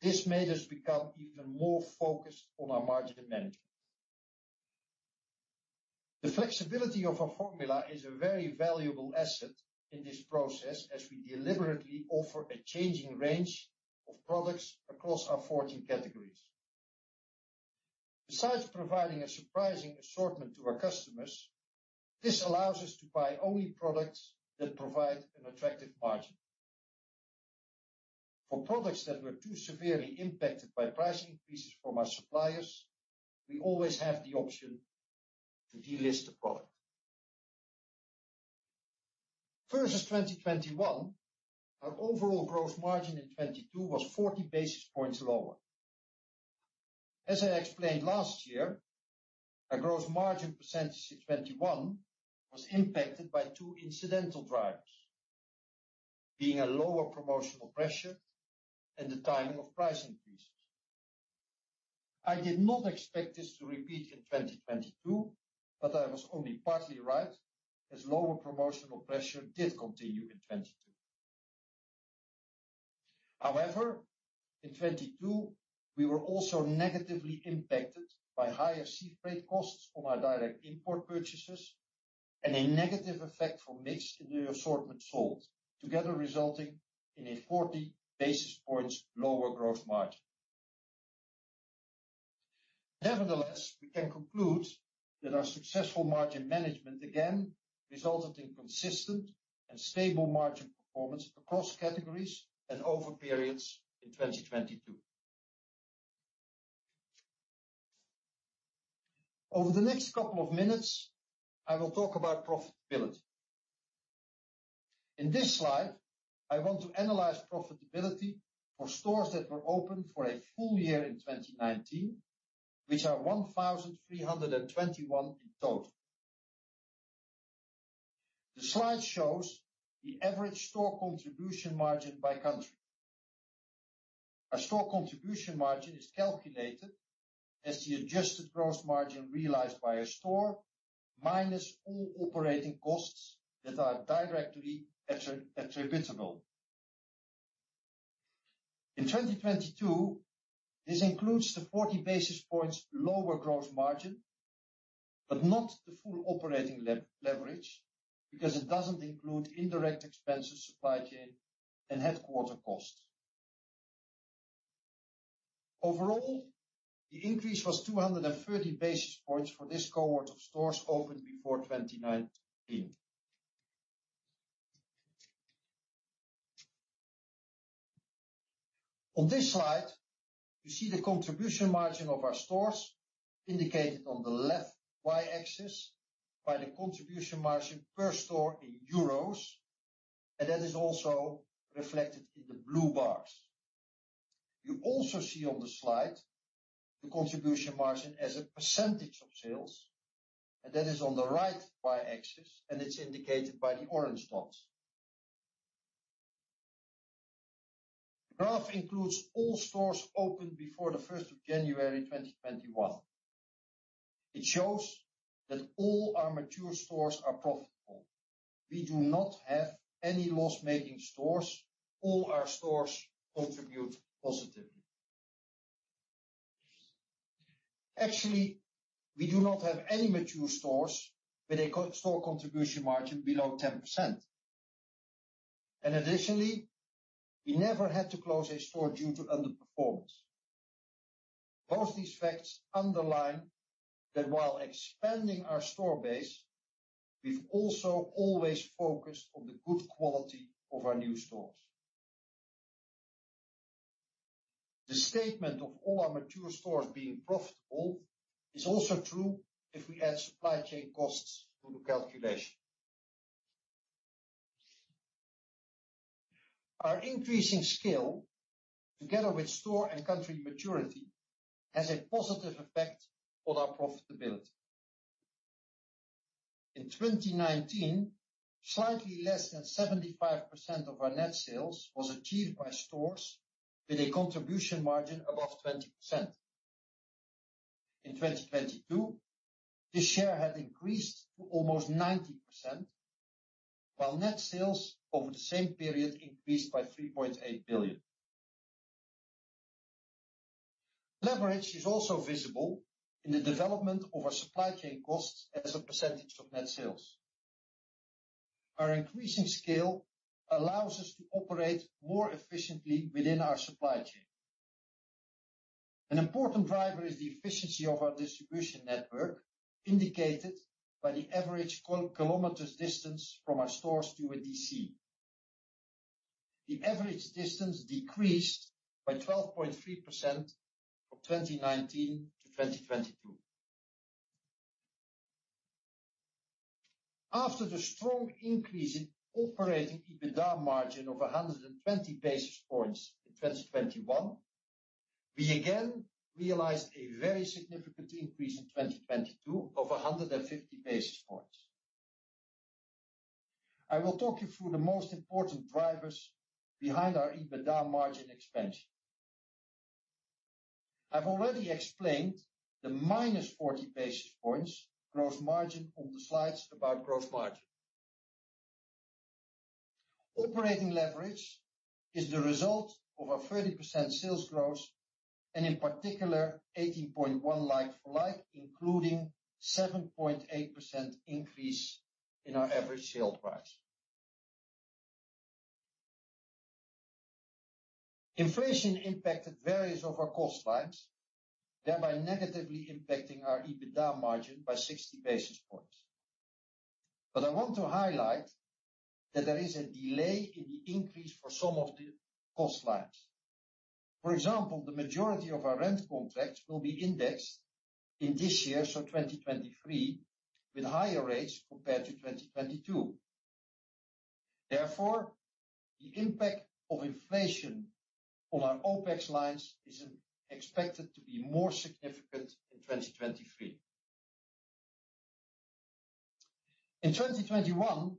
This made us become even more focused on our margin management. The flexibility of our formula is a very valuable asset in this process as we deliberately offer a changing range of products across our 14 categories. Besides providing a surprising assortment to our customers, this allows us to buy only products that provide an attractive margin. For products that were too severely impacted by price increases from our suppliers, we always have the option to delist the product. Versus 2021, our overall gross margin in 2022 was 40 basis points lower. As I explained last year, our gross margin percentage in 2021 was impacted by two incidental drivers, being a lower promotional pressure and the timing of price increases. I did not expect this to repeat in 2022, but I was only partly right, as lower promotional pressure did continue in 2022. However, in 22, we were also negatively impacted by higher sea freight costs on our direct import purchases and a negative effect from mix in the assortment sold, together resulting in a 40 basis points lower gross margin. Nevertheless, we can conclude that our successful margin management, again, resulted in consistent and stable margin performance across categories and over periods in 2022. Over the next couple of minutes, I will talk about profitability. In this slide, I want to analyze profitability for stores that were open for a full year in 2019, which are 1,321 in total. The slide shows the average store contribution margin by country. Our store contribution margin is calculated as the adjusted gross margin realized by a store, minus all operating costs that are directly attributable. In 2022, this includes the 40 basis points lower gross margin, but not the full operating leverage, because it doesn't include indirect expenses, supply chain, and headquarter costs. Overall, the increase was 230 basis points for this cohort of stores opened before 2019. On this slide, you see the contribution margin of our stores indicated on the left Y-axis by the contribution margin per store in euros, and that is also reflected in the blue bars. You also see on the slide the contribution margin as a percentage of sales, and that is on the right Y-axis, and it's indicated by the orange dots. The graph includes all stores opened before the first of January, 2021. It shows that all our mature stores are profitable. We do not have any loss-making stores. All our stores contribute positively. Actually, we do not have any mature stores with a store contribution margin below 10%. Additionally, we never had to close a store due to underperformance. Both these facts underline that while expanding our store base, we've also always focused on the good quality of our new stores. The statement of all our mature stores being profitable is also true if we add supply chain costs to the calculation. Our increasing scale, together with store and country maturity, has a positive effect on our profitability. In 2019, slightly less than 75% of our net sales was achieved by stores with a contribution margin above 20%. In 2022, this share had increased to almost 90%, while net sales over the same period increased by 3.8 billion. Leverage is also visible in the development of our supply chain costs as a percentage of net sales. Our increasing scale allows us to operate more efficiently within our supply chain. An important driver is the efficiency of our distribution network, indicated by the average kilometers distance from our stores to a DC. The average distance decreased by 12.3% from 2019 to 2022. After the strong increase in operating EBITDA margin of 120 basis points in 2021, we again realized a very significant increase in 2022 of 150 basis points. I will talk you through the most important drivers behind our EBITDA margin expansion. I've already explained the -40 basis points gross margin on the slides about gross margin. Operating leverage is the result of a 30% sales growth, and in particular, 18.1 like-for-like, including 7.8% increase in our average sale price. Inflation impacted various of our cost lines, thereby negatively impacting our EBITDA margin by 60 basis points. I want to highlight that there is a delay in the increase for some of the cost lines. For example, the majority of our rent contracts will be indexed in this year, so 2023, with higher rates compared to 2022. Therefore, the impact of inflation on our OPEX lines is expected to be more significant in 2023. In 2021,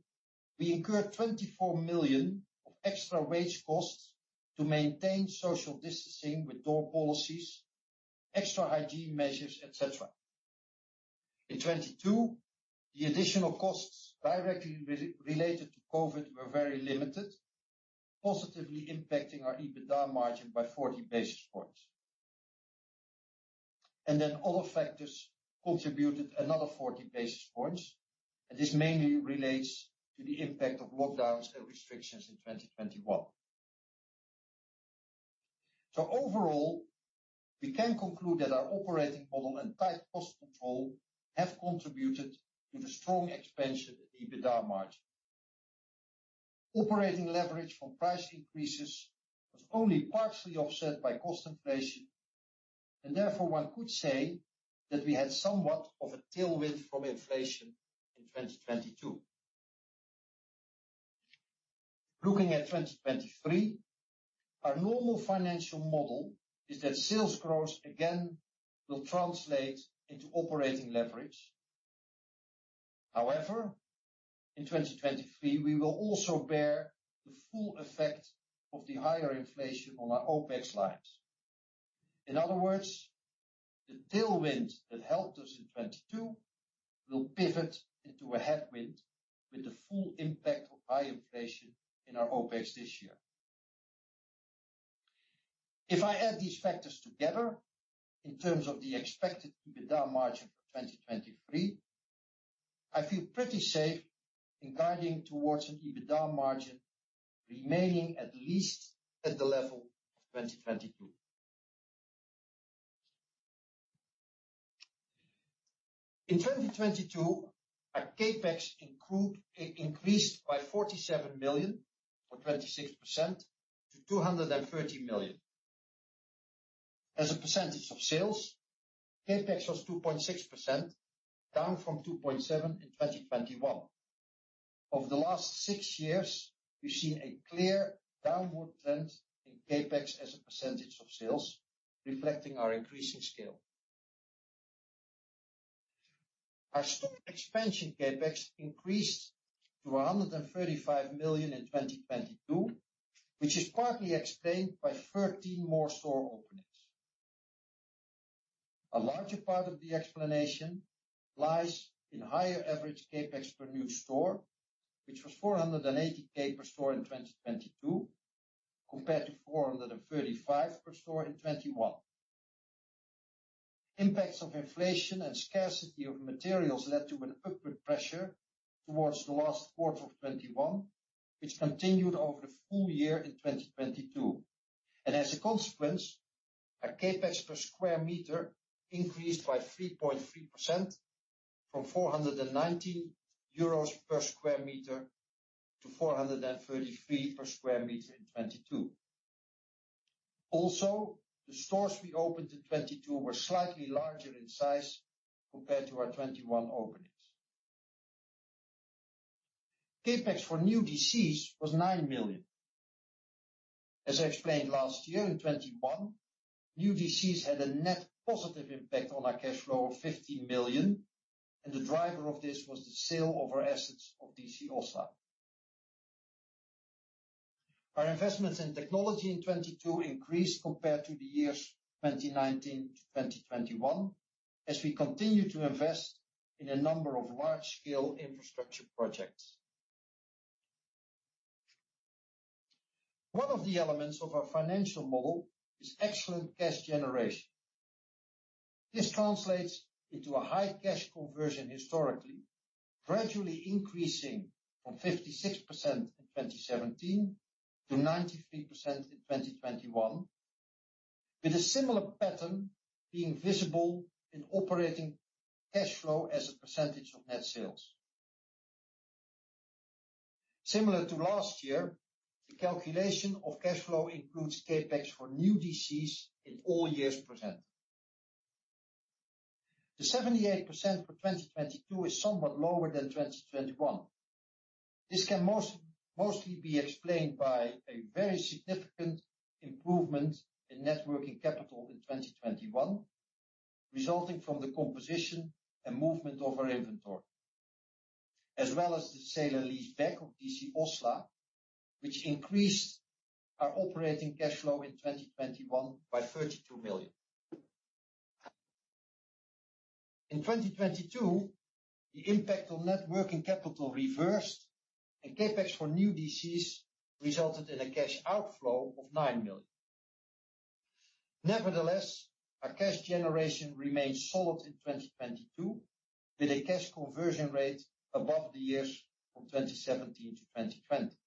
we incurred 24 million of extra wage costs to maintain social distancing with door policies, extra hygiene measures, etc.. In 2022, the additional costs directly related to COVID were very limited, positively impacting our EBITDA margin by 40 basis points. Other factors contributed another 40 basis points, and this mainly relates to the impact of lockdowns and restrictions in 2021. Overall, we can conclude that our operating model and tight cost control have contributed to the strong expansion of EBITDA margin. Operating leverage from price increases was only partially offset by cost inflation, and therefore, one could say that we had somewhat of a tailwind from inflation in 2022. Looking at 2023, our normal financial model is that sales growth again will translate into operating leverage. However, in 2023, we will also bear the full effect of the higher inflation on our OpEx lines. In other words, the tailwind that helped us in 2022 will pivot into a headwind with the full impact of high inflation in our OpEx this year. If I add these factors together in terms of the expected EBITDA margin for 2023, I feel pretty safe in guiding towards an EBITDA margin remaining at least at the level of 2022. In 2022, our CapEx increased by 47 million or 26% to 230 million. As a percentage of sales, CapEx was 2.6%, down from 2.7% in 2021. Over the last six years, we've seen a clear downward trend in CapEx as a percentage of sales, reflecting our increasing scale. Our store expansion CapEx increased to 135 million in 2022, which is partly explained by 13 more store openings. A larger part of the explanation lies in higher average CapEx per new store, which was 480k per store in 2022, compared to 435 per store in 2021. Impacts of inflation and scarcity of materials led to an upward pressure towards the last quarter of 2021, which continued over the full year in 2022. As a consequence, our CapEx per sqm increased by 3.3% from EUR 490 per sqm to 433 per sqm in 2022. Also, the stores we opened in 2022 were slightly larger in size compared to our 2021 openings. CapEx for new DCs was 9 million. As I explained last year, in 2021, new DCs had a net positive impact on our cash flow of 15 million, and the driver of this was the sale of our assets of DC Oslo. Our investments in technology in 2022 increased compared to the years 2019-2021 as we continue to invest in a number of large-scale infrastructure projects. One of the elements of our financial model is excellent cash generation. This translates into a high cash conversion historically, gradually increasing from 56% in 2017 to 93% in 2021, with a similar pattern being visible in operating cash flow as a percentage of net sales. Similar to last year, the calculation of cash flow includes CapEx for new DCs in all years presented. The 78% for 2022 is somewhat lower than 2021. This can mostly be explained by a very significant improvement in net working capital in 2021, resulting from the composition and movement of our inventory, as well as the sale and leaseback of DC Oslo, which increased our operating cash flow in 2021 by 32 million. In 2022, the impact on net working capital reversed, and CapEx for new DCs resulted in a cash outflow of 9 million. Nevertheless, our cash generation remained solid in 2022, with a cash conversion rate above the years from 2017 to 2020.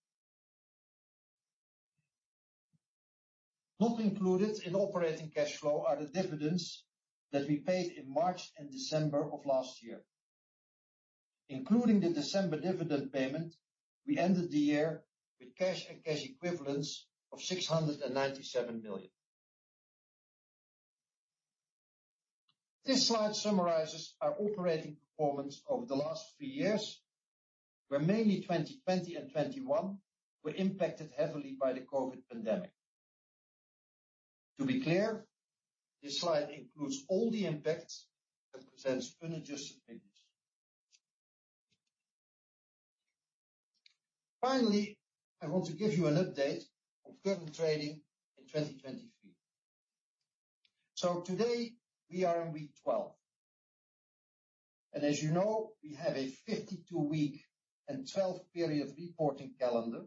Not included in operating cash flow are the dividends that we paid in March and December of last year. Including the December dividend payment, we ended the year with cash and cash equivalents of 697 million. This slide summarizes our operating performance over the last three years, where mainly 2020 and 2021 were impacted heavily by the COVID pandemic. To be clear, this slide includes all the impacts and presents unadjusted figures. Finally, I want to give you an update on current trading in 2023. Today, we are in week 12. As you know, we have a 52-week and 12-period reporting calendar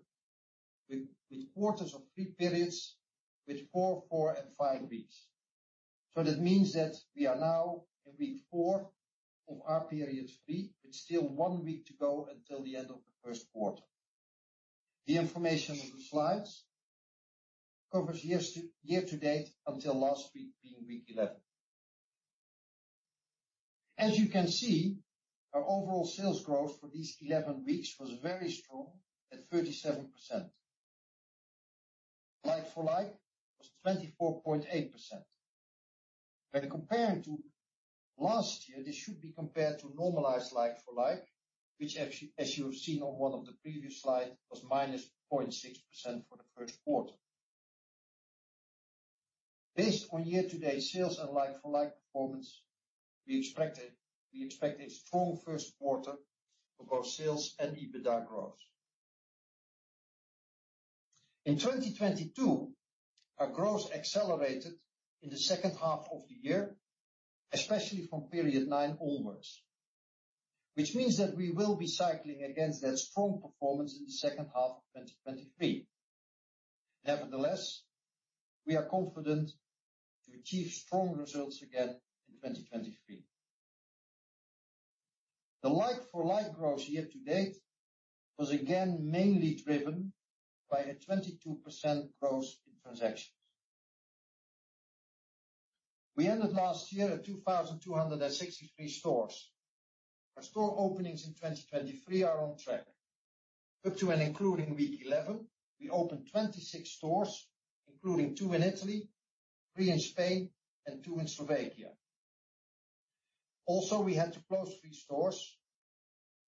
with quarters of three periods, with four, and five weeks. That means that we are now in week four of our period three, with still one week to go until the end of the Q1. The information on the slides covers year to date until last week being week 11. As you can see, our overall sales growth for these 11 weeks was very strong at 37%. Like-for-like was 24.8%. When comparing to last year, this should be compared to normalized like-for-like, which as you have seen on one of the previous slide, was -0.6% for the Q1. Based on year-to-date sales and like-for-like performance, we expect a strong Q1 for both sales and EBITDA growth. In 2022, our growth accelerated in the second half of the year, especially from period 9 onwards, which means that we will be cycling against that strong performance in the second half of 2023. Nevertheless, we are confident to achieve strong results again in 2023. The like-for-like growth year-to-date was again mainly driven by a 22% growth in transactions. We ended last year at 2,263 stores. Our store openings in 2023 are on track. Up to an including week 11, we opened 26 stores, including 2 in Italy, 3 in Spain, and 2 in Slovakia. We had to close 3 stores.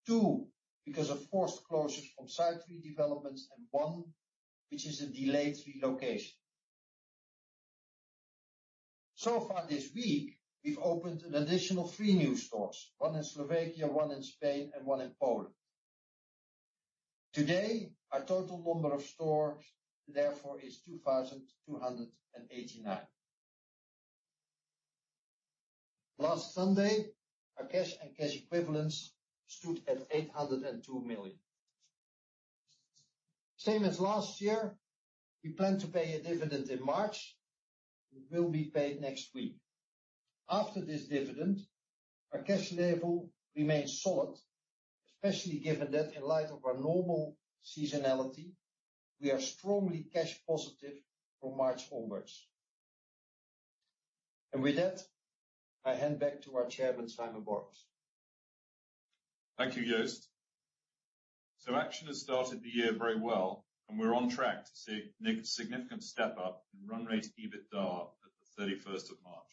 2 because of forced closures from site redevelopment, and 1 which is a delayed relocation. So far this week, we've opened an additional 3 new stores, 1 in Slovakia, 1 in Spain, and 1 in Poland. Today, our total number of stores therefore is 2,289. Last Sunday, our cash and cash equivalents stood at 802 million. Same as last year, we plan to pay a dividend in March. It will be paid next week. After this dividend, our cash level remains solid, especially given that in light of our normal seasonality, we are strongly cash positive from March onwards. With that, I hand back to our Chairman, Simon Borrows. Thank you, Joost. Action has started the year very well, and we're on track to make a significant step up in run rate EBITDA at the 31st of March.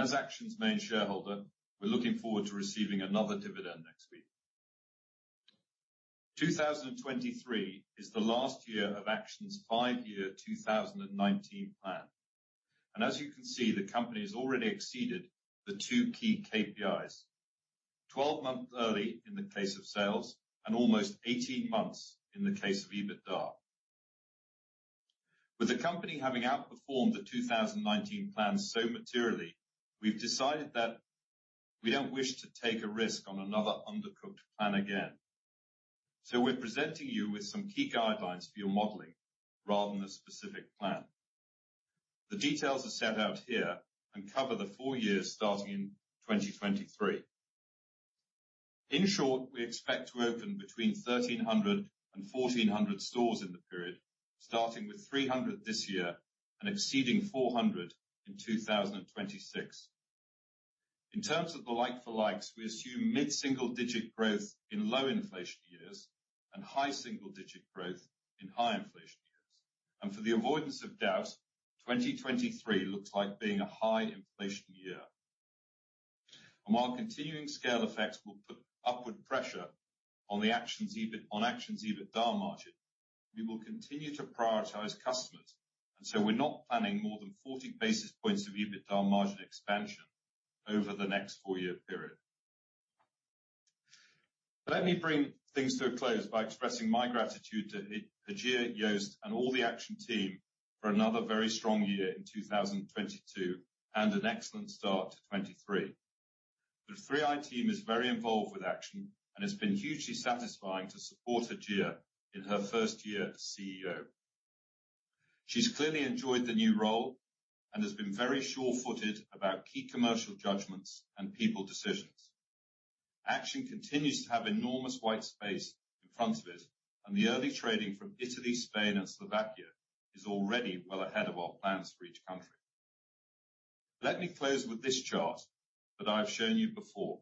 As Action's main shareholder, we're looking forward to receiving another dividend next week. 2023 is the last year of Action's five-year 2019 plan. As you can see, the company has already exceeded the 2 key KPIs. 12 months early in the case of sales, and almost 18 months in the case of EBITDA. With the company having outperformed the 2019 plan so materially, we've decided that we don't wish to take a risk on another undercooked plan again. We're presenting you with some key guidelines for your modeling rather than a specific plan. The details are set out here and cover the 4 years starting in 2023. In short, we expect to open between 1,300 and 1,400 stores in the period, starting with 300 this year and exceeding 400 in 2026. In terms of the like-for-likes, we assume mid-single-digit growth in low inflation years and high-single-digit growth in high inflation years. For the avoidance of doubt, 2023 looks like being a high inflation year. While continuing scale effects will put upward pressure on Action's EBITDA margin, we will continue to prioritize customers, so we're not planning more than 40 basis points of EBITDA margin expansion over the next four-year period. Let me bring things to a close by expressing my gratitude to Hajir, Joost, and all the Action team for another very strong year in 2022, and an excellent start to 2023. The 3i team is very involved with Action and has been hugely satisfying to support Hajir in her first year as CEO. She's clearly enjoyed the new role and has been very sure-footed about key commercial judgments and people decisions. Action continues to have enormous white space in front of it, and the early trading from Italy, Spain, and Slovakia is already well ahead of our plans for each country. Let me close with this chart that I've shown you before.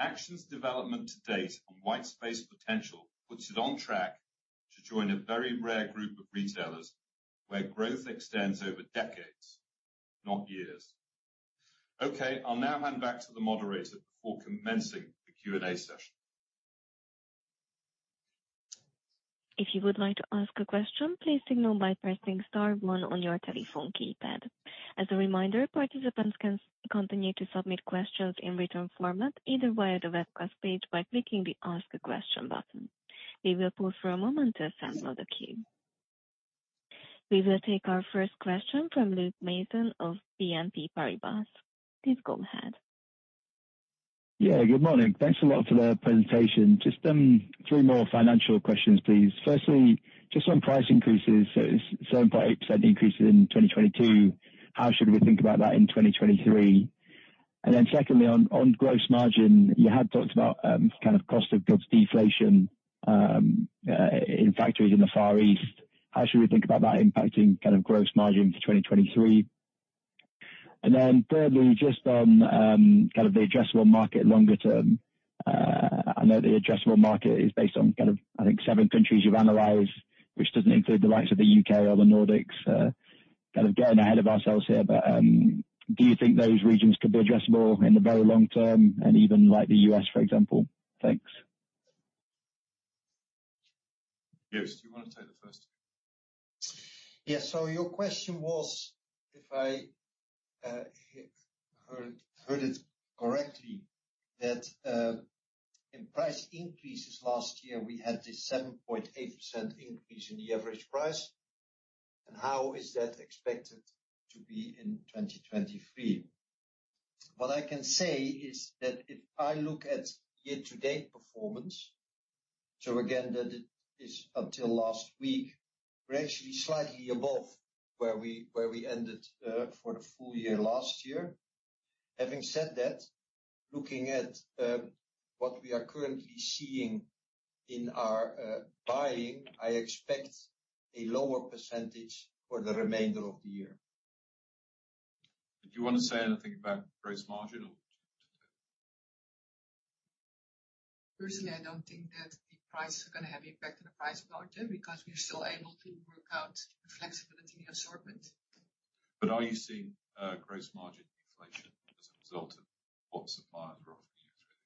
Action's development to date on white space potential puts it on track to join a very rare group of retailers where growth extends over decades, not years. Okay, I'll now hand back to the moderator before commencing the Q&A session. If you would like to ask a question, please signal by pressing star one on your telephone keypad. As a reminder, participants can continue to submit questions in written format either via the webcast page by clicking the Ask a Question button. We will pause for a moment to assemble the queue. We will take our first question from Gregory Simpson of BNP Paribas. Please go ahead. Good morning. Thanks a lot for the presentation. Just three more financial questions, please. Firstly, just on price increases, so 7.8% increase in 2022, how should we think about that in 2023? Secondly, on gross margin, you had talked about kind of cost of goods deflation in factories in the Far East. How should we think about that impacting kind of gross margin for 2023? Thirdly, just on kind of the addressable market longer term. I know the addressable market is based on kind of, I think 7 countries you've analyzed, which doesn't include the likes of the U.K. or the Nordics. Kind of getting ahead of ourselves here, but do you think those regions could be addressable in the very long term and even like the U.S., for example? Thanks. Joost, do you wanna take the first? Your question was, if I heard it correctly, that in price increases last year, we had this 7.8% increase in the average price, and how is that expected to be in 2023? What I can say is that if I look at year-to-date performance, again that it is until last week, we're actually slightly above where we ended for the full year last year. Having said that, looking at what we are currently seeing in our buying, I expect a lower percentage for the remainder of the year. Did you want to say anything about gross margin or? Personally, I don't think that the price is gonna have impact on the price margin because we're still able to work out the flexibility in the assortment. Are you seeing, gross margin inflation as a result of what suppliers are offering you through the year?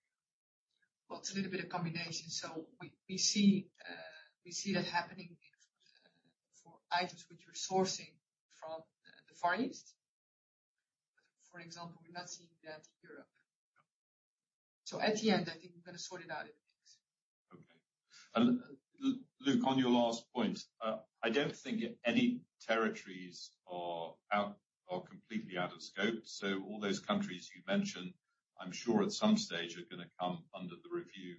Well, it's a little bit of combination. We see that happening in for items which we're sourcing from the Far East. For example, we're not seeing that in Europe. Yeah. At the end, I think we're gonna sort it out in the mix. Okay. Look, on your last point, I don't think any territories are out or completely out of scope. All those countries you mentioned, I'm sure at some stage are gonna come under the review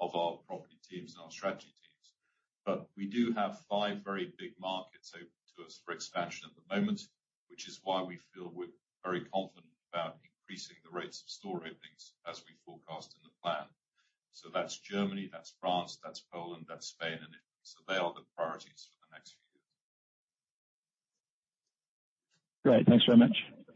of our property teams and our strategy teams. We do have five very big markets open to us for expansion at the moment, which is why we feel we're very confident about increasing the rates of store openings as we forecast in the plan. That's Germany, that's France, that's Poland, that's Spain, and Italy. They are the priorities for the next few years. Great. Thanks very much. Thanks.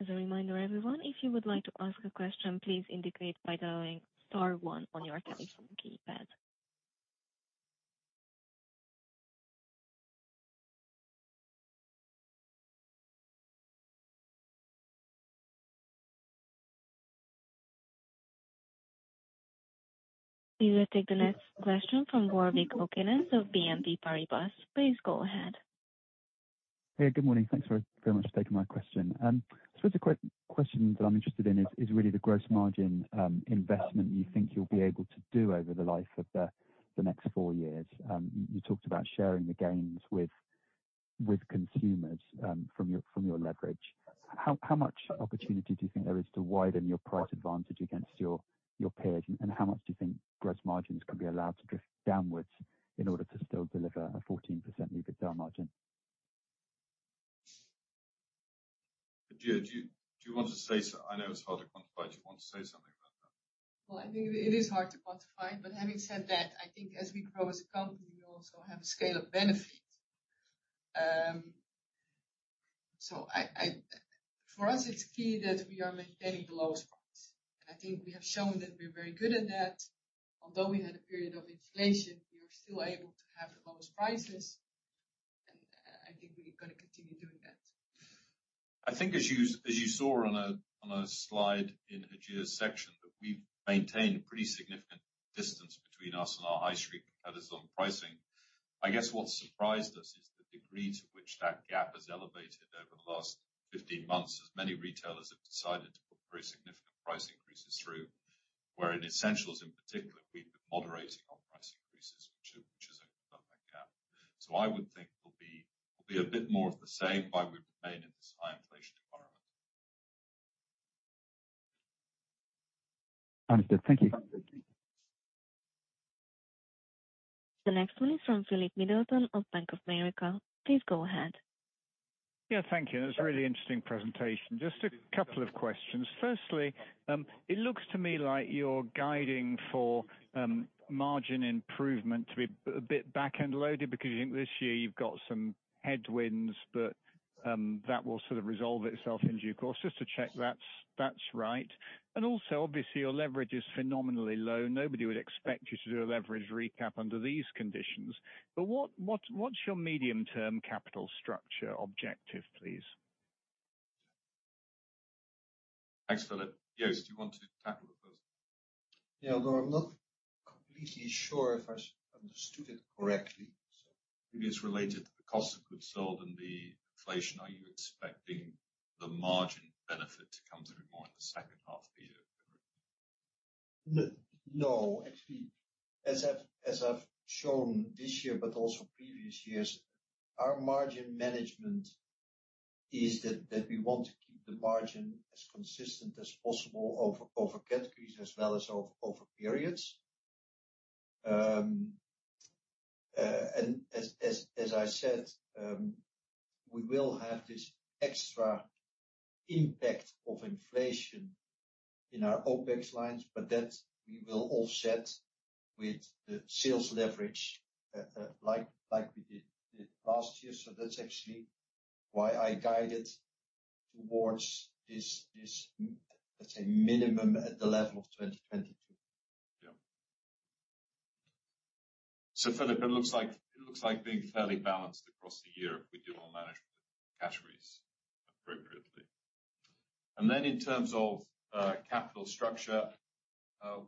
As a reminder, everyone, if you would like to ask a question, please indicate by dialing star one on your telephone keypad. We will take the next question from Gaurav Khokhanas of BNP Paribas. Please go ahead. Hey, good morning. Thanks very much for taking my question. The question that I'm interested in is really the gross margin investment you think you'll be able to do over the life of the next 4 years. You talked about sharing the gains with consumers from your leverage. How much opportunity do you think there is to widen your price advantage against your peers? How much do you think gross margins can be allowed to drift downwards in order to still deliver a 14% EBITDA margin? Hajir, I know it's hard to quantify. Do you want to say something about that? I think it is hard to quantify it, but having said that, I think as we grow as a company, we also have a scale of benefit. For us, it's key that we are maintaining the lowest price. I think we have shown that we're very good at that. Although we had a period of inflation, we were still able to have the lowest prices. I think we're gonna continue doing that. I think as you saw on a, on a slide in Adja's section, that we've maintained a pretty significant distance between us and our high street competitors on pricing. I guess what surprised us is the degree to which that gap has elevated over the last 15 months, as many retailers have decided to put pretty significant price increases through. Where in essentials in particular, we've been moderating our price increases, which is a perfect gap. I would think we'll be a bit more of the same while we remain in this high inflation environment. Understood. Thank you. Thank you. The next one is from Philip Middleton of Bank of America. Please go ahead. Yeah. Thank you. That's a really interesting presentation. Just a couple of questions. Firstly, it looks to me like you're guiding for margin improvement to be a bit back-end loaded because you think this year you've got some headwinds, but that will sort of resolve itself in due course. Just to check that's right. Also, obviously, your leverage is phenomenally low. Nobody would expect you to do a leverage recap under these conditions. What's your medium-term capital structure objective, please? Thanks, Philip. Joost, do you want to tackle the first one? Yeah. Although I'm not completely sure if I understood it correctly, so. It is related to the cost of goods sold and the inflation. Are you expecting the margin benefit to come through more in the second half of the year? No. Actually, as I've shown this year but also previous years, our margin management is that we want to keep the margin as consistent as possible over categories as well as over periods. As I said, we will have this extra impact of inflation in our OPEX lines, but that we will offset with the sales leverage, like we did last year. That's actually why I guided towards this, let's say, minimum at the level of 2022. Yeah. Philip, it looks like being fairly balanced across the year if we do our management of cash rates appropriately. In terms of, capital structure,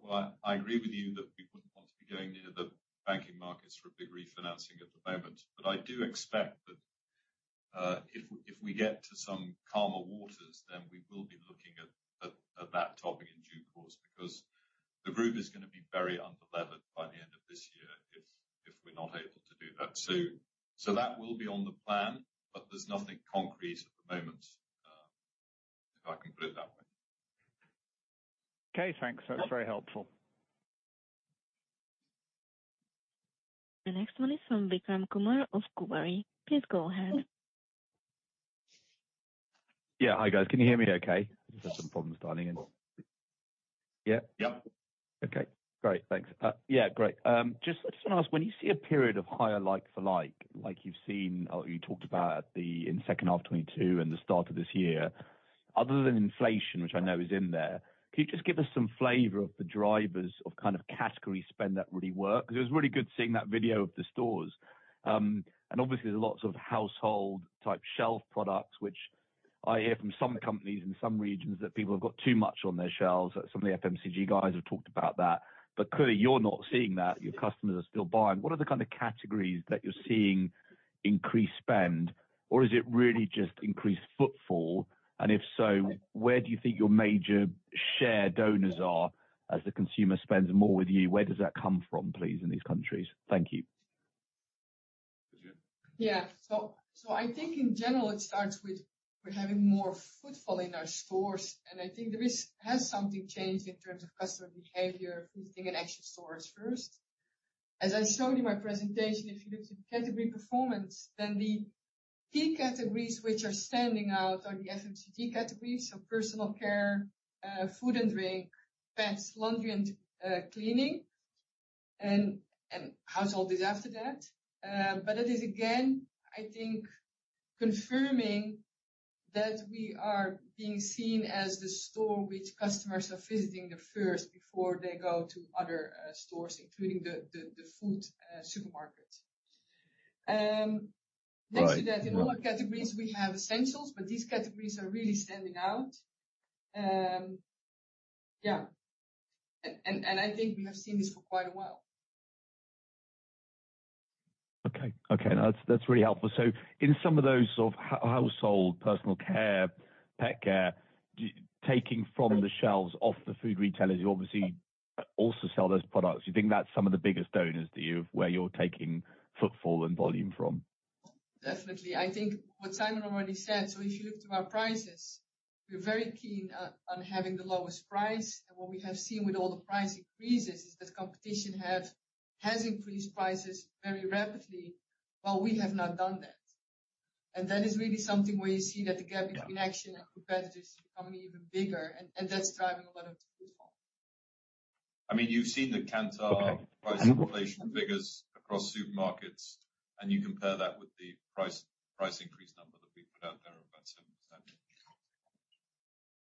well, I agree with you that we wouldn't want to be going near the banking markets for a big refinancing at the moment. I do expect that, if we get to some calmer waters, then we will be looking at that topic in due course. The group is gonna be very unlevered by the end of this year if we're not able to do that soon. That will be on the plan, but there's nothing concrete at the moment, if I can put it that way. Okay, thanks. That's very helpful. The next one is from Vikram Kumar of Kuvari. Please go ahead. Yeah. Hi, guys. Can you hear me okay? I just had some problems dialing in. Yeah. Yep. Okay, great. Thanks. Yeah, great. I just wanna ask, when you see a period of higher like-for-like, like you've seen or you talked about in second half 2022 and the start of this year, other than inflation, which I know is in there, can you just give us some flavor of the drivers of kind of category spend that really work? It was really good seeing that video of the stores. Obviously there's lots of household type shelf products, which I hear from some companies in some regions that people have got too much on their shelves. Some of the FMCG guys have talked about that. Clearly you're not seeing that. Your customers are still buying. What are the kind of categories that you're seeing increased spend? Is it really just increased footfall? If so, where do you think your major share donors are as the consumer spends more with you? Where does that come from, please, in these countries? Thank you. Hajir. Yeah. So I think in general it starts with having more footfall in our stores. I think has something changed in terms of customer behavior visiting an Action store first. As I showed you my presentation, if you look at the category performance, then the key categories which are standing out are the FMCG categories. Personal care, food and drink, pets, laundry and cleaning, and household is after that. It is again, I think confirming that we are being seen as the store which customers are visiting the first before they go to other stores, including the food supermarket. Right. Next to that, in all our categories we have essentials, but these categories are really standing out. yeah. I think we have seen this for quite a while. Okay. Okay. No, that's really helpful. In some of those sort of household, personal care, pet care, taking from the shelves off the food retailers, you obviously also sell those products. Do you think that's some of the biggest donors to you, of where you're taking footfall and volume from? Definitely. I think what Simon already said, so if you look to our prices, we're very keen on having the lowest price. What we have seen with all the price increases is that competition has increased prices very rapidly, while we have not done that. That is really something where you see that the gap between Action. Yeah. Competitors is becoming even bigger, and that's driving a lot of footfall. I mean, you've seen the Kantar price inflation figures across supermarkets, and you compare that with the price increase number that we put out there of about 7%.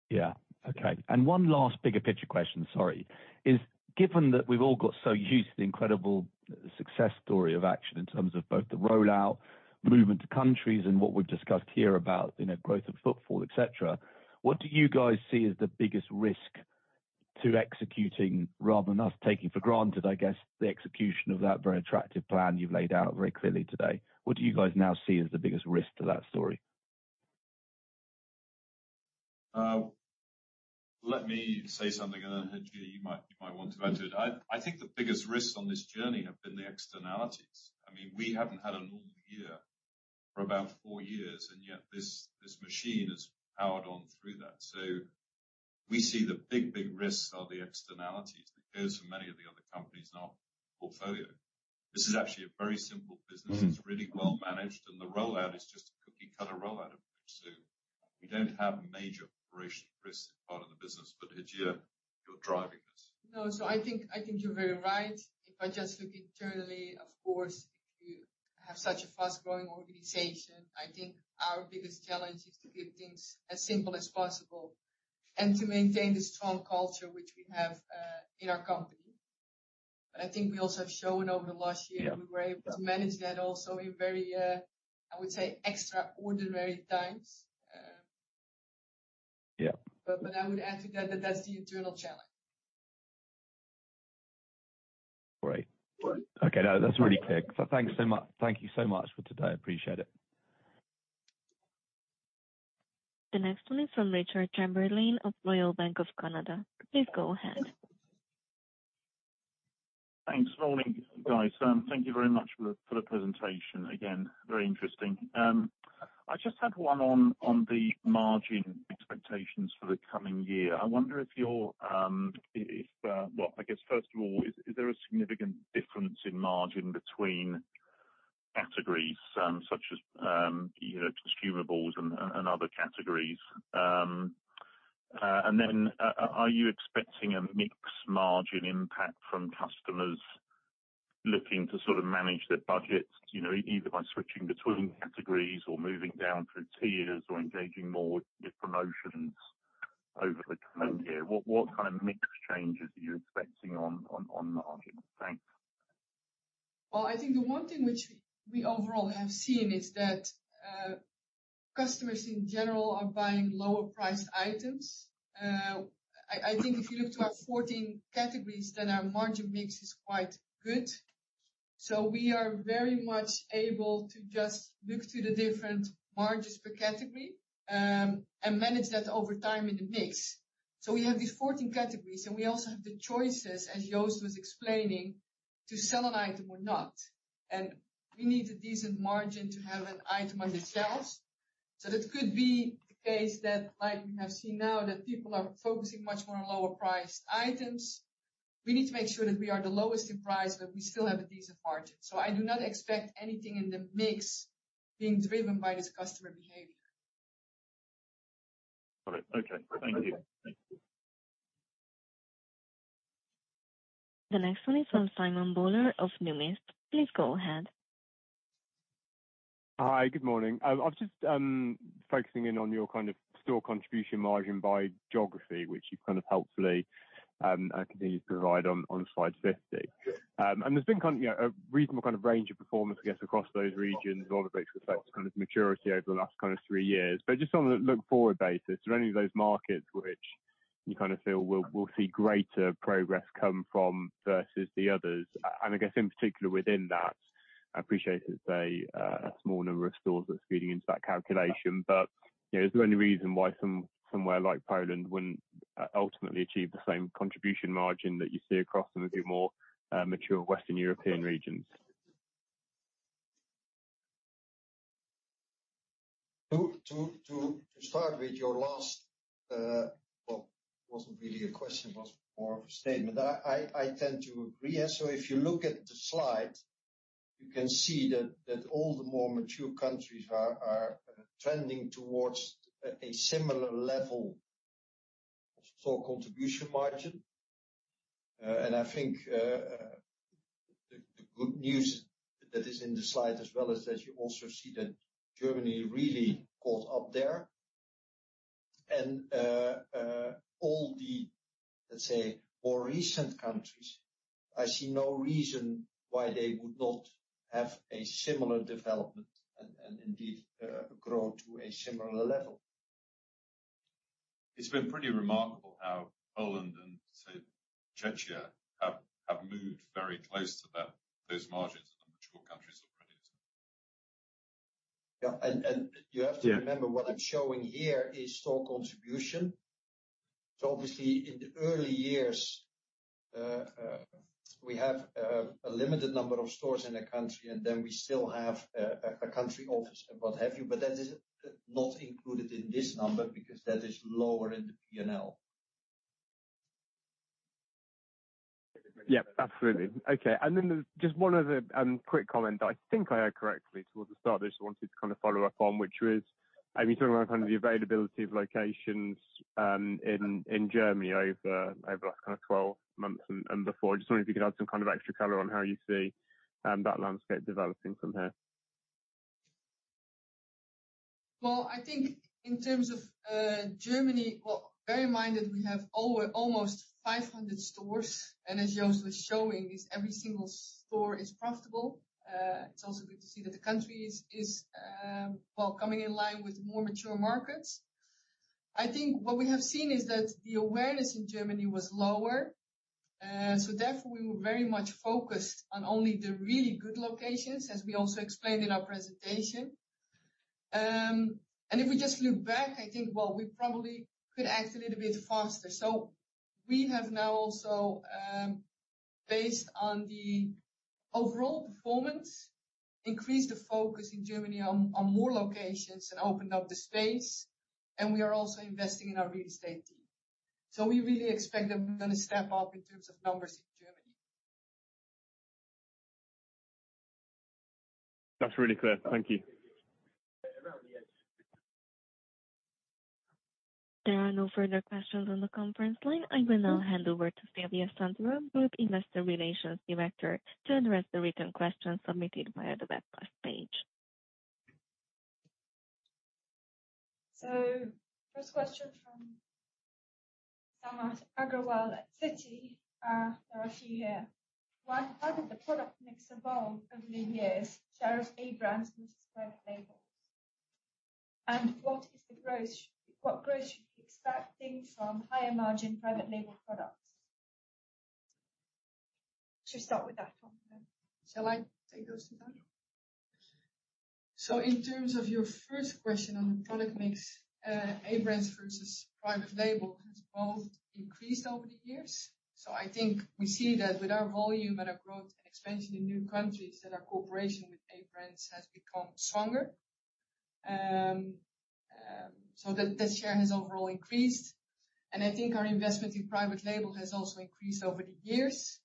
Yeah. Okay. One last bigger picture question, sorry, is given that we've all got so used to the incredible success story of Action in terms of both the rollout, movement to countries, and what we've discussed here about, you know, growth of footfall, etc., what do you guys see as the biggest risk to executing rather than us taking for granted, I guess, the execution of that very attractive plan you've laid out very clearly today? What do you guys now see as the biggest risk to that story? Let me say something, Hajir Hajji, you might want to add to it. I think the biggest risks on this journey have been the externalities. I mean, we haven't had a normal year for about four years. This machine has powered on through that. We see the big risks are the externalities that goes for many of the other companies in our portfolio. This is actually a very simple business. Mm-hmm. It's really well managed, and the rollout is just a cookie-cutter rollout approach. We don't have a major operational risk as part of the business. Hajir, you're driving this. No. I think you're very right. If I just look internally, of course, if you have such a fast-growing organization, I think our biggest challenge is to keep things as simple as possible and to maintain the strong culture which we have in our company. I think we also have shown over the last year- Yeah. We were able to manage that also in very, I would say, extraordinary times. Yeah. I would add to that that's the internal challenge. Great. Okay. No, that's really clear. Thanks so much. Thank you so much for today. I appreciate it. The next one is from Richard Chamberlain of Royal Bank of Canada. Please go ahead. Thanks. Morning, guys. Thank you very much for the presentation. Again, very interesting. I just had one on the margin expectations for the coming year. I wonder if you're. Well, I guess, first of all, is there a significant difference in margin between categories, such as, you know, consumables and other categories? Then, are you expecting a mixed margin impact from customers looking to sort of manage their budgets, you know, either by switching between categories or moving down through tiers or engaging more with promotions over the coming year? What kind of mixed changes are you expecting on margin? Thanks. Well, I think the one thing which we overall have seen is that, customers in general are buying lower priced items. I think if you look to our 14 categories, then our margin mix is quite good. We are very much able to just look to the different margins per category, and manage that over time in the mix. We have these 14 categories, and we also have the choices, as Joost was explaining, to sell an item or not. And we need a decent margin to have an item on the shelves. That could be the case that, like we have seen now, that people are focusing much more on lower priced items. We need to make sure that we are the lowest in price, but we still have a decent margin. I do not expect anything in the mix being driven by this customer behavior. All right. Okay. Thank you. Thank you. The next one is from Simon Bowler of Numis. Please go ahead. Hi. Good morning. I've just focusing in on your kind of store contribution margin by geography, which you've kind of helpfully continued to provide on slide 50. There's been kind of, you know, a reasonable kind of range of performance, I guess, across those regions, a lot of which reflects kind of maturity over the last kind of 3 years. Just on a look forward basis, are any of those markets which you kind of feel will see greater progress come from versus the others? I guess in particular within that, I appreciate it's a small number of stores that's feeding into that calculation, but, you know, is there any reason why somewhere like Poland wouldn't ultimately achieve the same contribution margin that you see across some of the more mature Western European regions? To start with your last, well, it wasn't really a question, it was more of a statement. I tend to agree. If you look at the slide, you can see that all the more mature countries are trending towards a similar level of store contribution margin. I think the good news that is in the slide as well is that you also see that Germany really caught up there. All the, let's say, more recent countries, I see no reason why they would not have a similar development and indeed grow to a similar level. It's been pretty remarkable how Poland and, say, Czechia have moved very close to that, those margins that the mature countries have produced. Yeah. You have to remember, what I'm showing here is store contribution. Obviously, in the early years, we have a limited number of stores in a country, and then we still have a country office and what have you. That is not included in this number because that is lower in the P&L. Yeah, absolutely. Okay. Then just one other quick comment. I think I heard correctly towards the start that you just wanted to kind of follow up on, which was, I mean, talking about kind of the availability of locations in Germany over the last kind of 12 months and before. Just wondering if you could add some kind of extra color on how you see that landscape developing from here. Well, I think in terms of Germany, well, bear in mind that we have over almost 500 stores, and as Joost was showing, every single store is profitable. It's also good to see that the country is well, coming in line with more mature markets. I think what we have seen is that the awareness in Germany was lower, so therefore, we were very much focused on only the really good locations, as we also explained in our presentation. If we just look back, I think, well, we probably could act a little bit faster. We have now also, based on the overall performance, increased the focus in Germany on more locations and opened up the space, and we are also investing in our real estate team. We really expect that we're gonna step up in terms of numbers in Germany. That's really clear. Thank you. There are no further questions on the conference line. I will now hand over to Silvia Santoro, Group Investor Relations Director, to address the written questions submitted via the webcast page. First question from Andrew Lowe at Citi. There are a few here. One, how did the product mix evolve over the years, shares A brands versus private labels? What growth should we be expecting from higher margin private label products? Should we start with that one? Shall I take those two then? In terms of your first question on the product mix, A brands versus private label, both increased over the years. I think we see that with our volume and our growth and expansion in new countries that our cooperation with A-brands has become stronger. So that share has overall increased. I think our investment in private label has also increased over the years,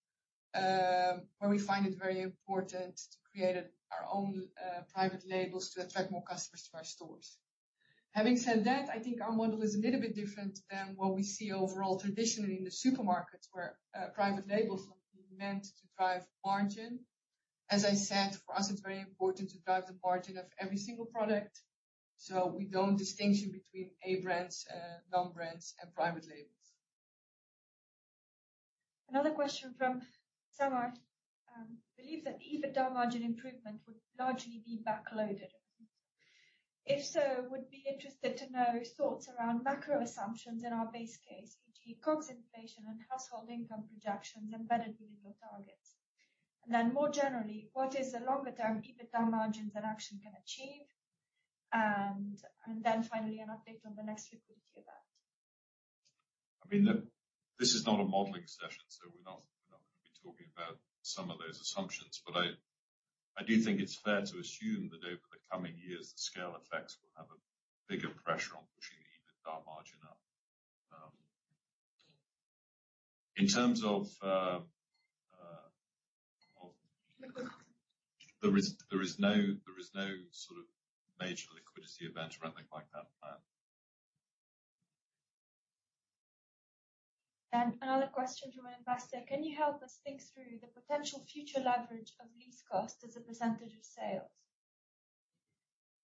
where we find it very important to create our own private labels to attract more customers to our stores. Having said that, I think our model is a little bit different than what we see overall traditionally in the supermarkets where private labels are meant to drive margin. I said, for us it's very important to drive the margin of every single product, so we don't distinguish between A brands, non-brands and private labels. Another question from Samar. Believe that EBITDA margin improvement would largely be backloaded. If so, would be interested to know thoughts around macro assumptions in our base case, e.g., COGS inflation and household income projections embedded within your targets. More generally, what is the longer-term EBITDA margin that Action can achieve? Finally, an update on the next liquidity event. I mean, this is not a modeling session, so we're not gonna be talking about some of those assumptions, but I do think it's fair to assume that over the coming years, the scale effects will have a bigger pressure on pushing the EBITDA margin up. In terms of. Liquidity. There is no sort of major liquidity event or anything like that planned. Another question from an investor: Can you help us think through the potential future leverage of lease costs as a percentage of sales?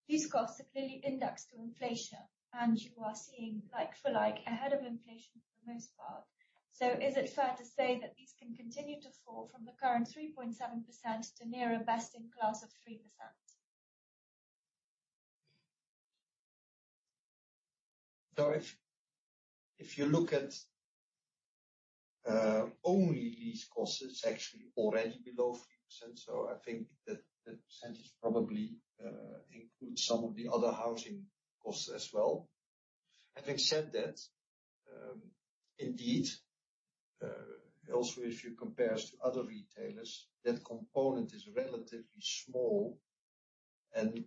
Lease costs are clearly indexed to inflation, and you are seeing like-for-like ahead of inflation for the most part. Is it fair to say that these can continue to fall from the current 3.7% to nearer best in class of 3%? If you look at only these costs, it's actually already below 3%, so I think that the percentage probably includes some of the other housing costs as well. Having said that, indeed, also if you compare us to other retailers, that component is relatively small, and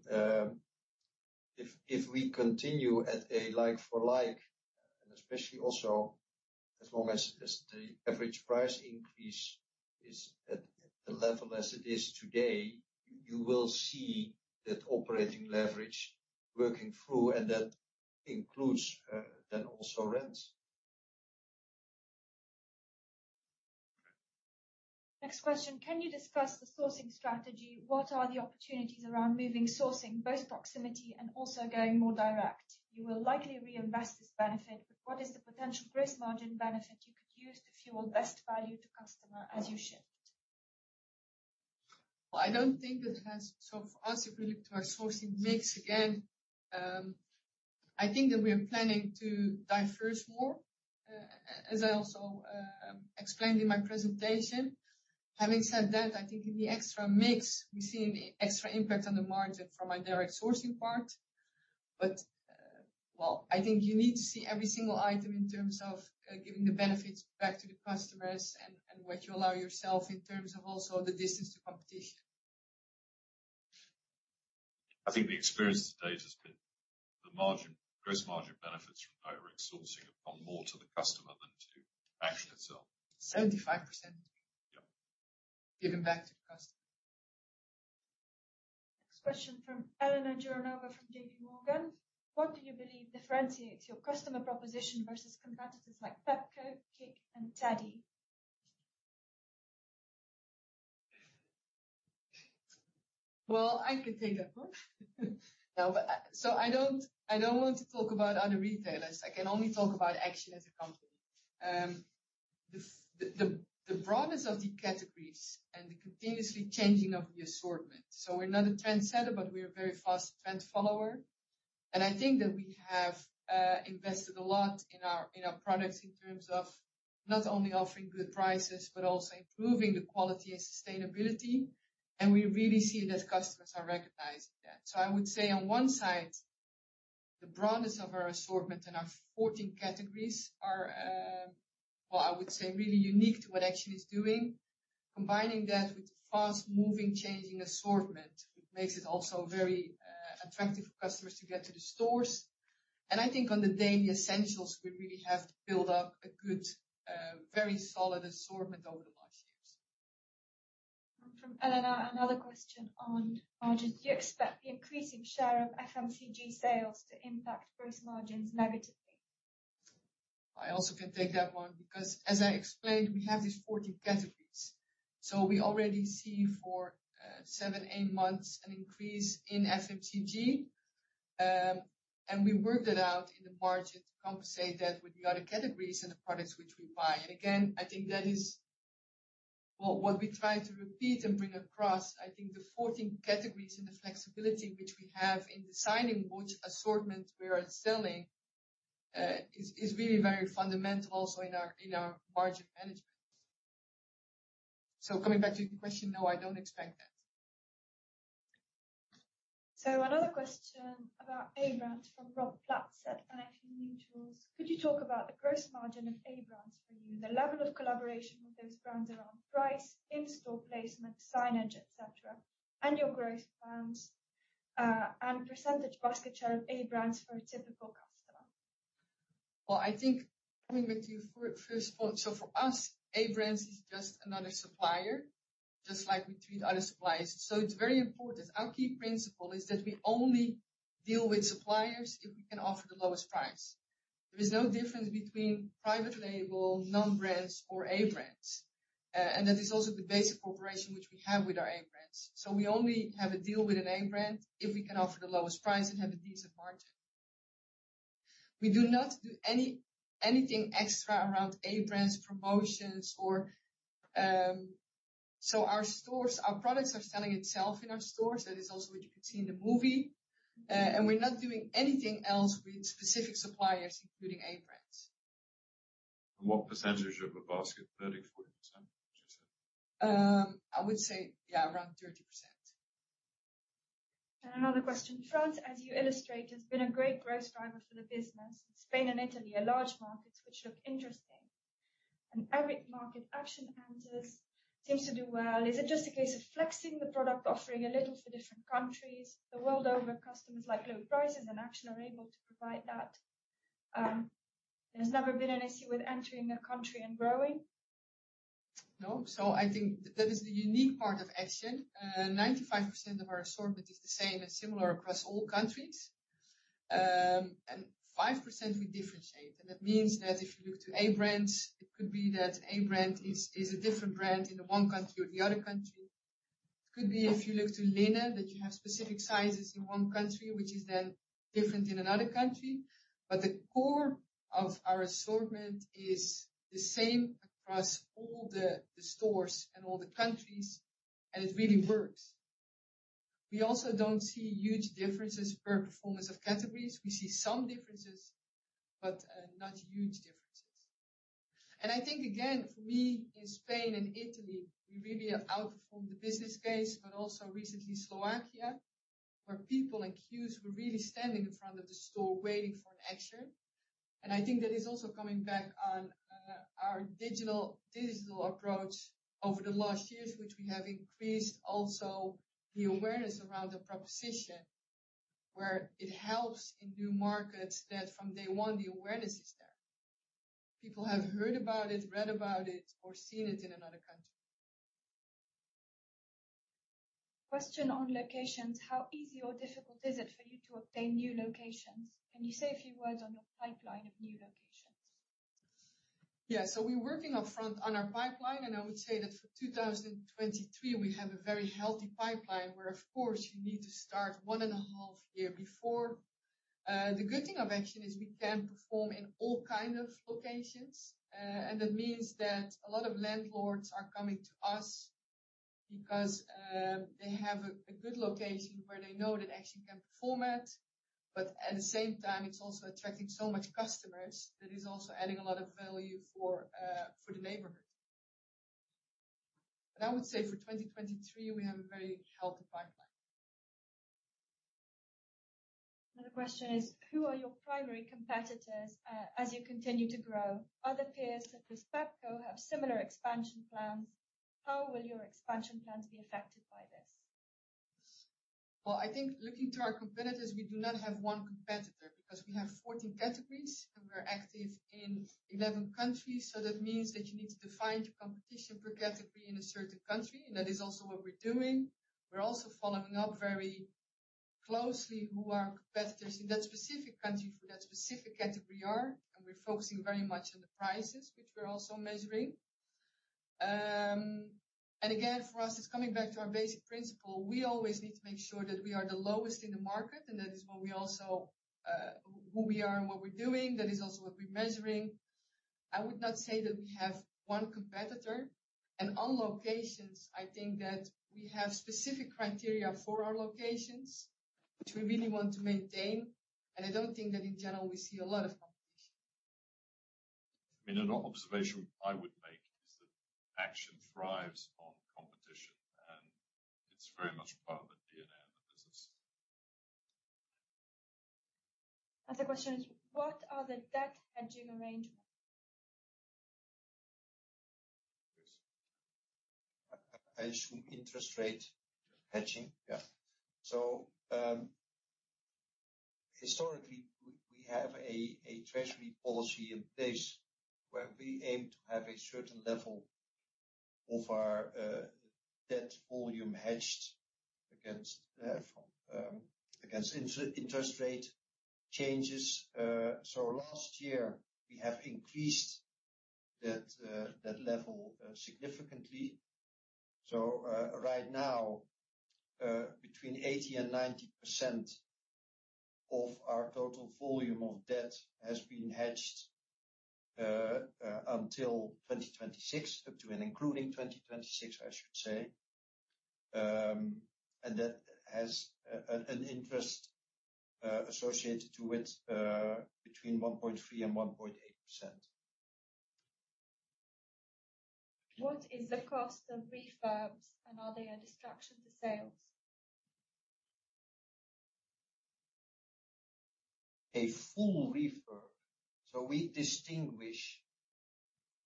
if we continue at a like-for-like, especially also as long as the average price increase is at the level as it is today, you will see that operating leverage working through, and that includes then also rents. Next question. Can you discuss the sourcing strategy? What are the opportunities around moving sourcing, both proximity and also going more direct? You will likely reinvest this benefit. What is the potential gross margin benefit you could use to fuel best value to customer as you shift? I don't think it has... For us, if we look to our sourcing mix, again, I think that we are planning to diverge more, as I also explained in my presentation. Having said that, I think in the extra mix, we see an extra impact on the margin from a direct sourcing part. I think you need to see every single item in terms of giving the benefits back to the customers and what you allow yourself in terms of also the distance to competition. I think the experience to date has been the margin, gross margin benefits from direct sourcing have gone more to the customer than to Action itself. 75%. Yeah. Given back to the customer. Next question from Elena Jouronova from JPMorgan. What do you believe differentiates your customer proposition versus competitors like Pepco, KiK, and TK Maxx? Well, I can take that one. I don't want to talk about other retailers. I can only talk about Action as a company. The broadness of the categories and the continuously changing of the assortment. We're not a trendsetter, but we're a very fast trend follower. I think that we have invested a lot in our products in terms of not only offering good prices, but also improving the quality and sustainability. We really see that customers are recognizing that. I would say on one side, the broadness of our assortment and our 14 categories are, well, I would say really unique to what Action is doing. Combining that with fast-moving changing assortment, which makes it also very attractive for customers to get to the stores. I think on the daily essentials, we really have to build up a good, very solid assortment over the last years. From Elena, another question on margins. Do you expect the increasing share of FMCG sales to impact gross margins negatively? I also can take that one because as I explained, we have these 14 categories. We already see for 7, 8 months an increase in FMCG. We work that out in the margin to compensate that with the other categories and the products which we buy. Again, I think that is. Well, what we try to repeat and bring across, I think the 14 categories and the flexibility which we have in deciding which assortment we are selling, is really very fundamental also in our, in our margin management. Coming back to the question, no, I don't expect that. Another question about A brands from Rob Platts at Financial Mutuals. Could you talk about the gross margin of A brands for you, the level of collaboration with those brands around price, in-store placement, signage, etc., and your gross plans, and percent basket share of A brands for a typical customer? Well, I think coming back to your first point, for us, A brands is just another supplier, just like we treat other suppliers. It's very important. Our key principle is that we only deal with suppliers if we can offer the lowest price. There is no difference between private label, non-brands or A brands, and that is also the basic cooperation which we have with our A brands. We only have a deal with an A brand if we can offer the lowest price and have a decent margin. We do not do anything extra around A brands promotions or. Our products are selling itself in our stores, that is also what you could see in the movie. We're not doing anything else with specific suppliers, including A brands. What percentage of a basket? 30%, 40%, would you say? I would say, yeah, around 30%. Another question. France, as you illustrate, has been a great growth driver for the business. Spain and Italy are large markets which look interesting, every market Action enters seems to do well. Is it just a case of flexing the product offering a little for different countries? The world over, customers like low prices, and Action are able to provide that. There's never been an issue with entering a country and growing? I think that is the unique part of Action. 95% of our assortment is the same and similar across all countries. 5% we differentiate. That means that if you look to A brands, it could be that A brand is a different brand in the one country or the other country. It could be, if you look to linen, that you have specific sizes in one country, which is then different in another country. The core of our assortment is the same across all the stores and all the countries, and it really works. We also don't see huge differences per performance of categories. We see some differences, but not huge differences. I think, again, for me, in Spain and Italy, we really have outperformed the business case, but also recently Slovakia, where people in queues were really standing in front of the store waiting for an Action. I think that is also coming back on our digital approach over the last years, which we have increased also the awareness around the proposition, where it helps in new markets that from day one, the awareness is there. People have heard about it, read about it, or seen it in another country. Question on locations. How easy or difficult is it for you to obtain new locations? Can you say a few words on your pipeline of new locations? Yeah. We're working up front on our pipeline. I would say that for 2023, we have a very healthy pipeline where, of course, you need to start one and a half year before. The good thing of Action is we can perform in all kind of locations. That means that a lot of landlords are coming to us because they have a good location where they know that Action can perform at, but at the same time, it's also attracting so much customers that is also adding a lot of value for the neighborhood. I would say for 2023, we have a very healthy pipeline. Another question is, who are your primary competitors as you continue to grow? Other peers such as Pepco have similar expansion plans. How will your expansion plans be affected by this? I think looking to our competitors, we do not have one competitor because we have 14 categories, and we're active in 11 countries. That means that you need to define your competition per category in a certain country, and that is also what we're doing. We're also following up very closely who our competitors in that specific country for that specific category are, and we're focusing very much on the prices, which we're also measuring. Again, for us, it's coming back to our basic principle. We always need to make sure that we are the lowest in the market, and that is what we also, who we are and what we're doing. That is also what we're measuring. I would not say that we have one competitor. On locations, I think that we have specific criteria for our locations, which we really want to maintain, and I don't think that in general we see a lot of competition. I mean, another observation I would make is that Action thrives on competition, and it's very much part of the DNA of the business. Other question is, what are the debt hedging arrangements? Chris. As interest rate hedging? Yeah. Historically, we have a treasury policy in place where we aim to have a certain level of our debt volume hedged against interest rate changes. Last year, we have increased that level significantly. Right now, between 80% and 90% of our total volume of debt has been hedged until 2026, up to and including 2026, I should say. That has an interest associated to it between 1.3% and 1.8%. What is the cost of refurbs, and are they a distraction to sales? A full refurb. We distinguish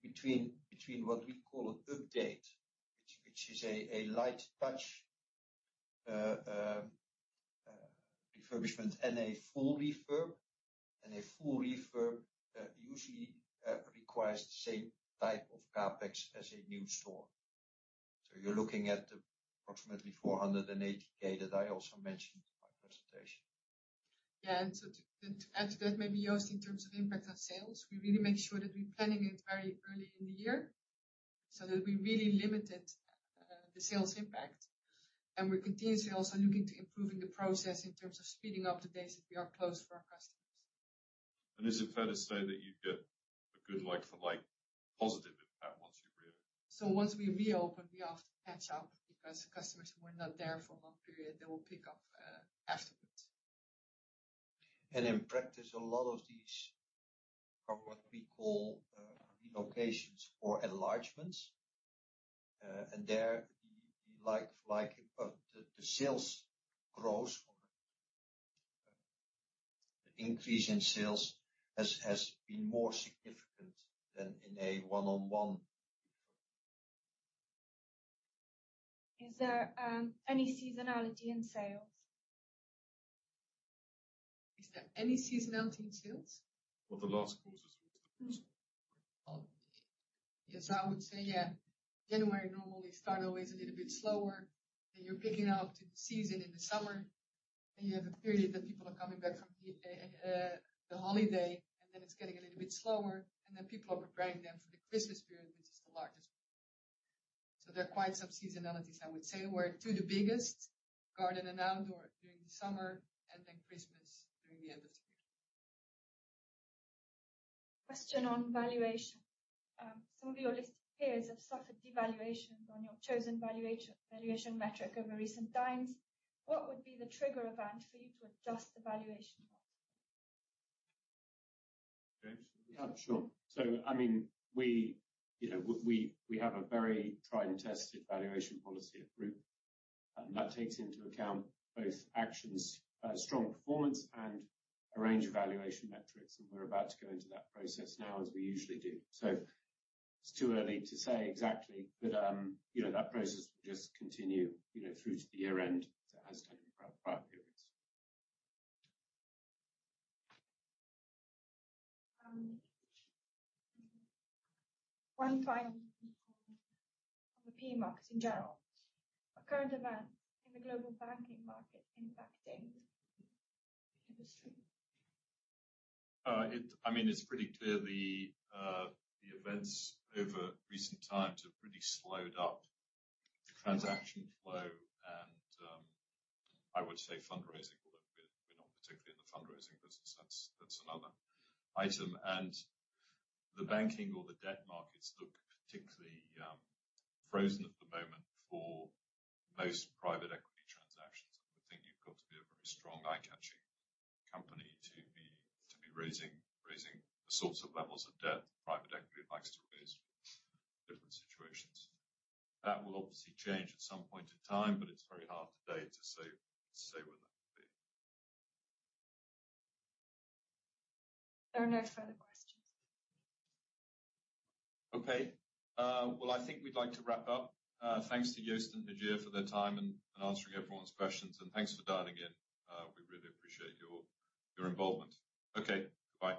between what we call an update, which is a light touch refurbishment and a full refurb. A full refurb usually requires the same type of CapEx as a new store. You're looking at approximately 480K that I also mentioned in my presentation. Yeah. To, to add to that, maybe just in terms of impact on sales, we really make sure that we're planning it very early in the year, so that we really limited the sales impact. We're continuously also looking to improving the process in terms of speeding up the days that we are closed for our customers. Is it fair to say that you get a good like-for-like positive impact once you reopen? Once we reopen, we have to catch up because customers who were not there for a long period, they will pick up afterwards. In practice, a lot of these are what we call relocations or enlargements. There the like-for-like, the sales growth or, the increase in sales has been more significant than in a one-on-one refurb. Is there any seasonality in sales? Is there any seasonality in sales? Over the last quarters. Yes, I would say, yeah. January normally start always a little bit slower. You're picking up to the season in the summer. You have a period that people are coming back from the holiday, and then it's getting a little bit slower. People are preparing then for the Christmas period, which is the largest. There are quite some seasonality, I would say, where two of the biggest, garden and outdoor during the summer and then Christmas during the end of the year. Question on valuation. Some of your listed peers have suffered devaluation on your chosen valuation metric over recent times. What would be the trigger event for you to adjust the valuation model? James? Yeah, sure. I mean, we, you know, we, we have a very tried and tested valuation policy at Group. That takes into account both Action's strong performance and a range of valuation metrics, and we're about to go into that process now as we usually do. It's too early to say exactly, but, you know, that process will just continue, you know, through to the year end as it has done in prior periods. One final on the PE market in general. Are current events in the global banking market impacting the industry? I mean, it's pretty clear the events over recent times have really slowed up the transaction flow and I would say fundraising, although we're not particularly in the fundraising business. That's another item. The banking or the debt markets look particularly frozen at the moment for most private equity transactions. I would think you've got to be a very strong eye-catching company to be raising the sorts of levels of debt private equity likes to raise for different situations. That will obviously change at some point in time, but it's very hard today to say where that will be. There are no further questions. Okay. Well, I think we'd like to wrap up. Thanks to Joost and Hajir Hajji for their time and answering everyone's questions. Thanks for dialing in. We really appreciate your involvement. Okay. Bye.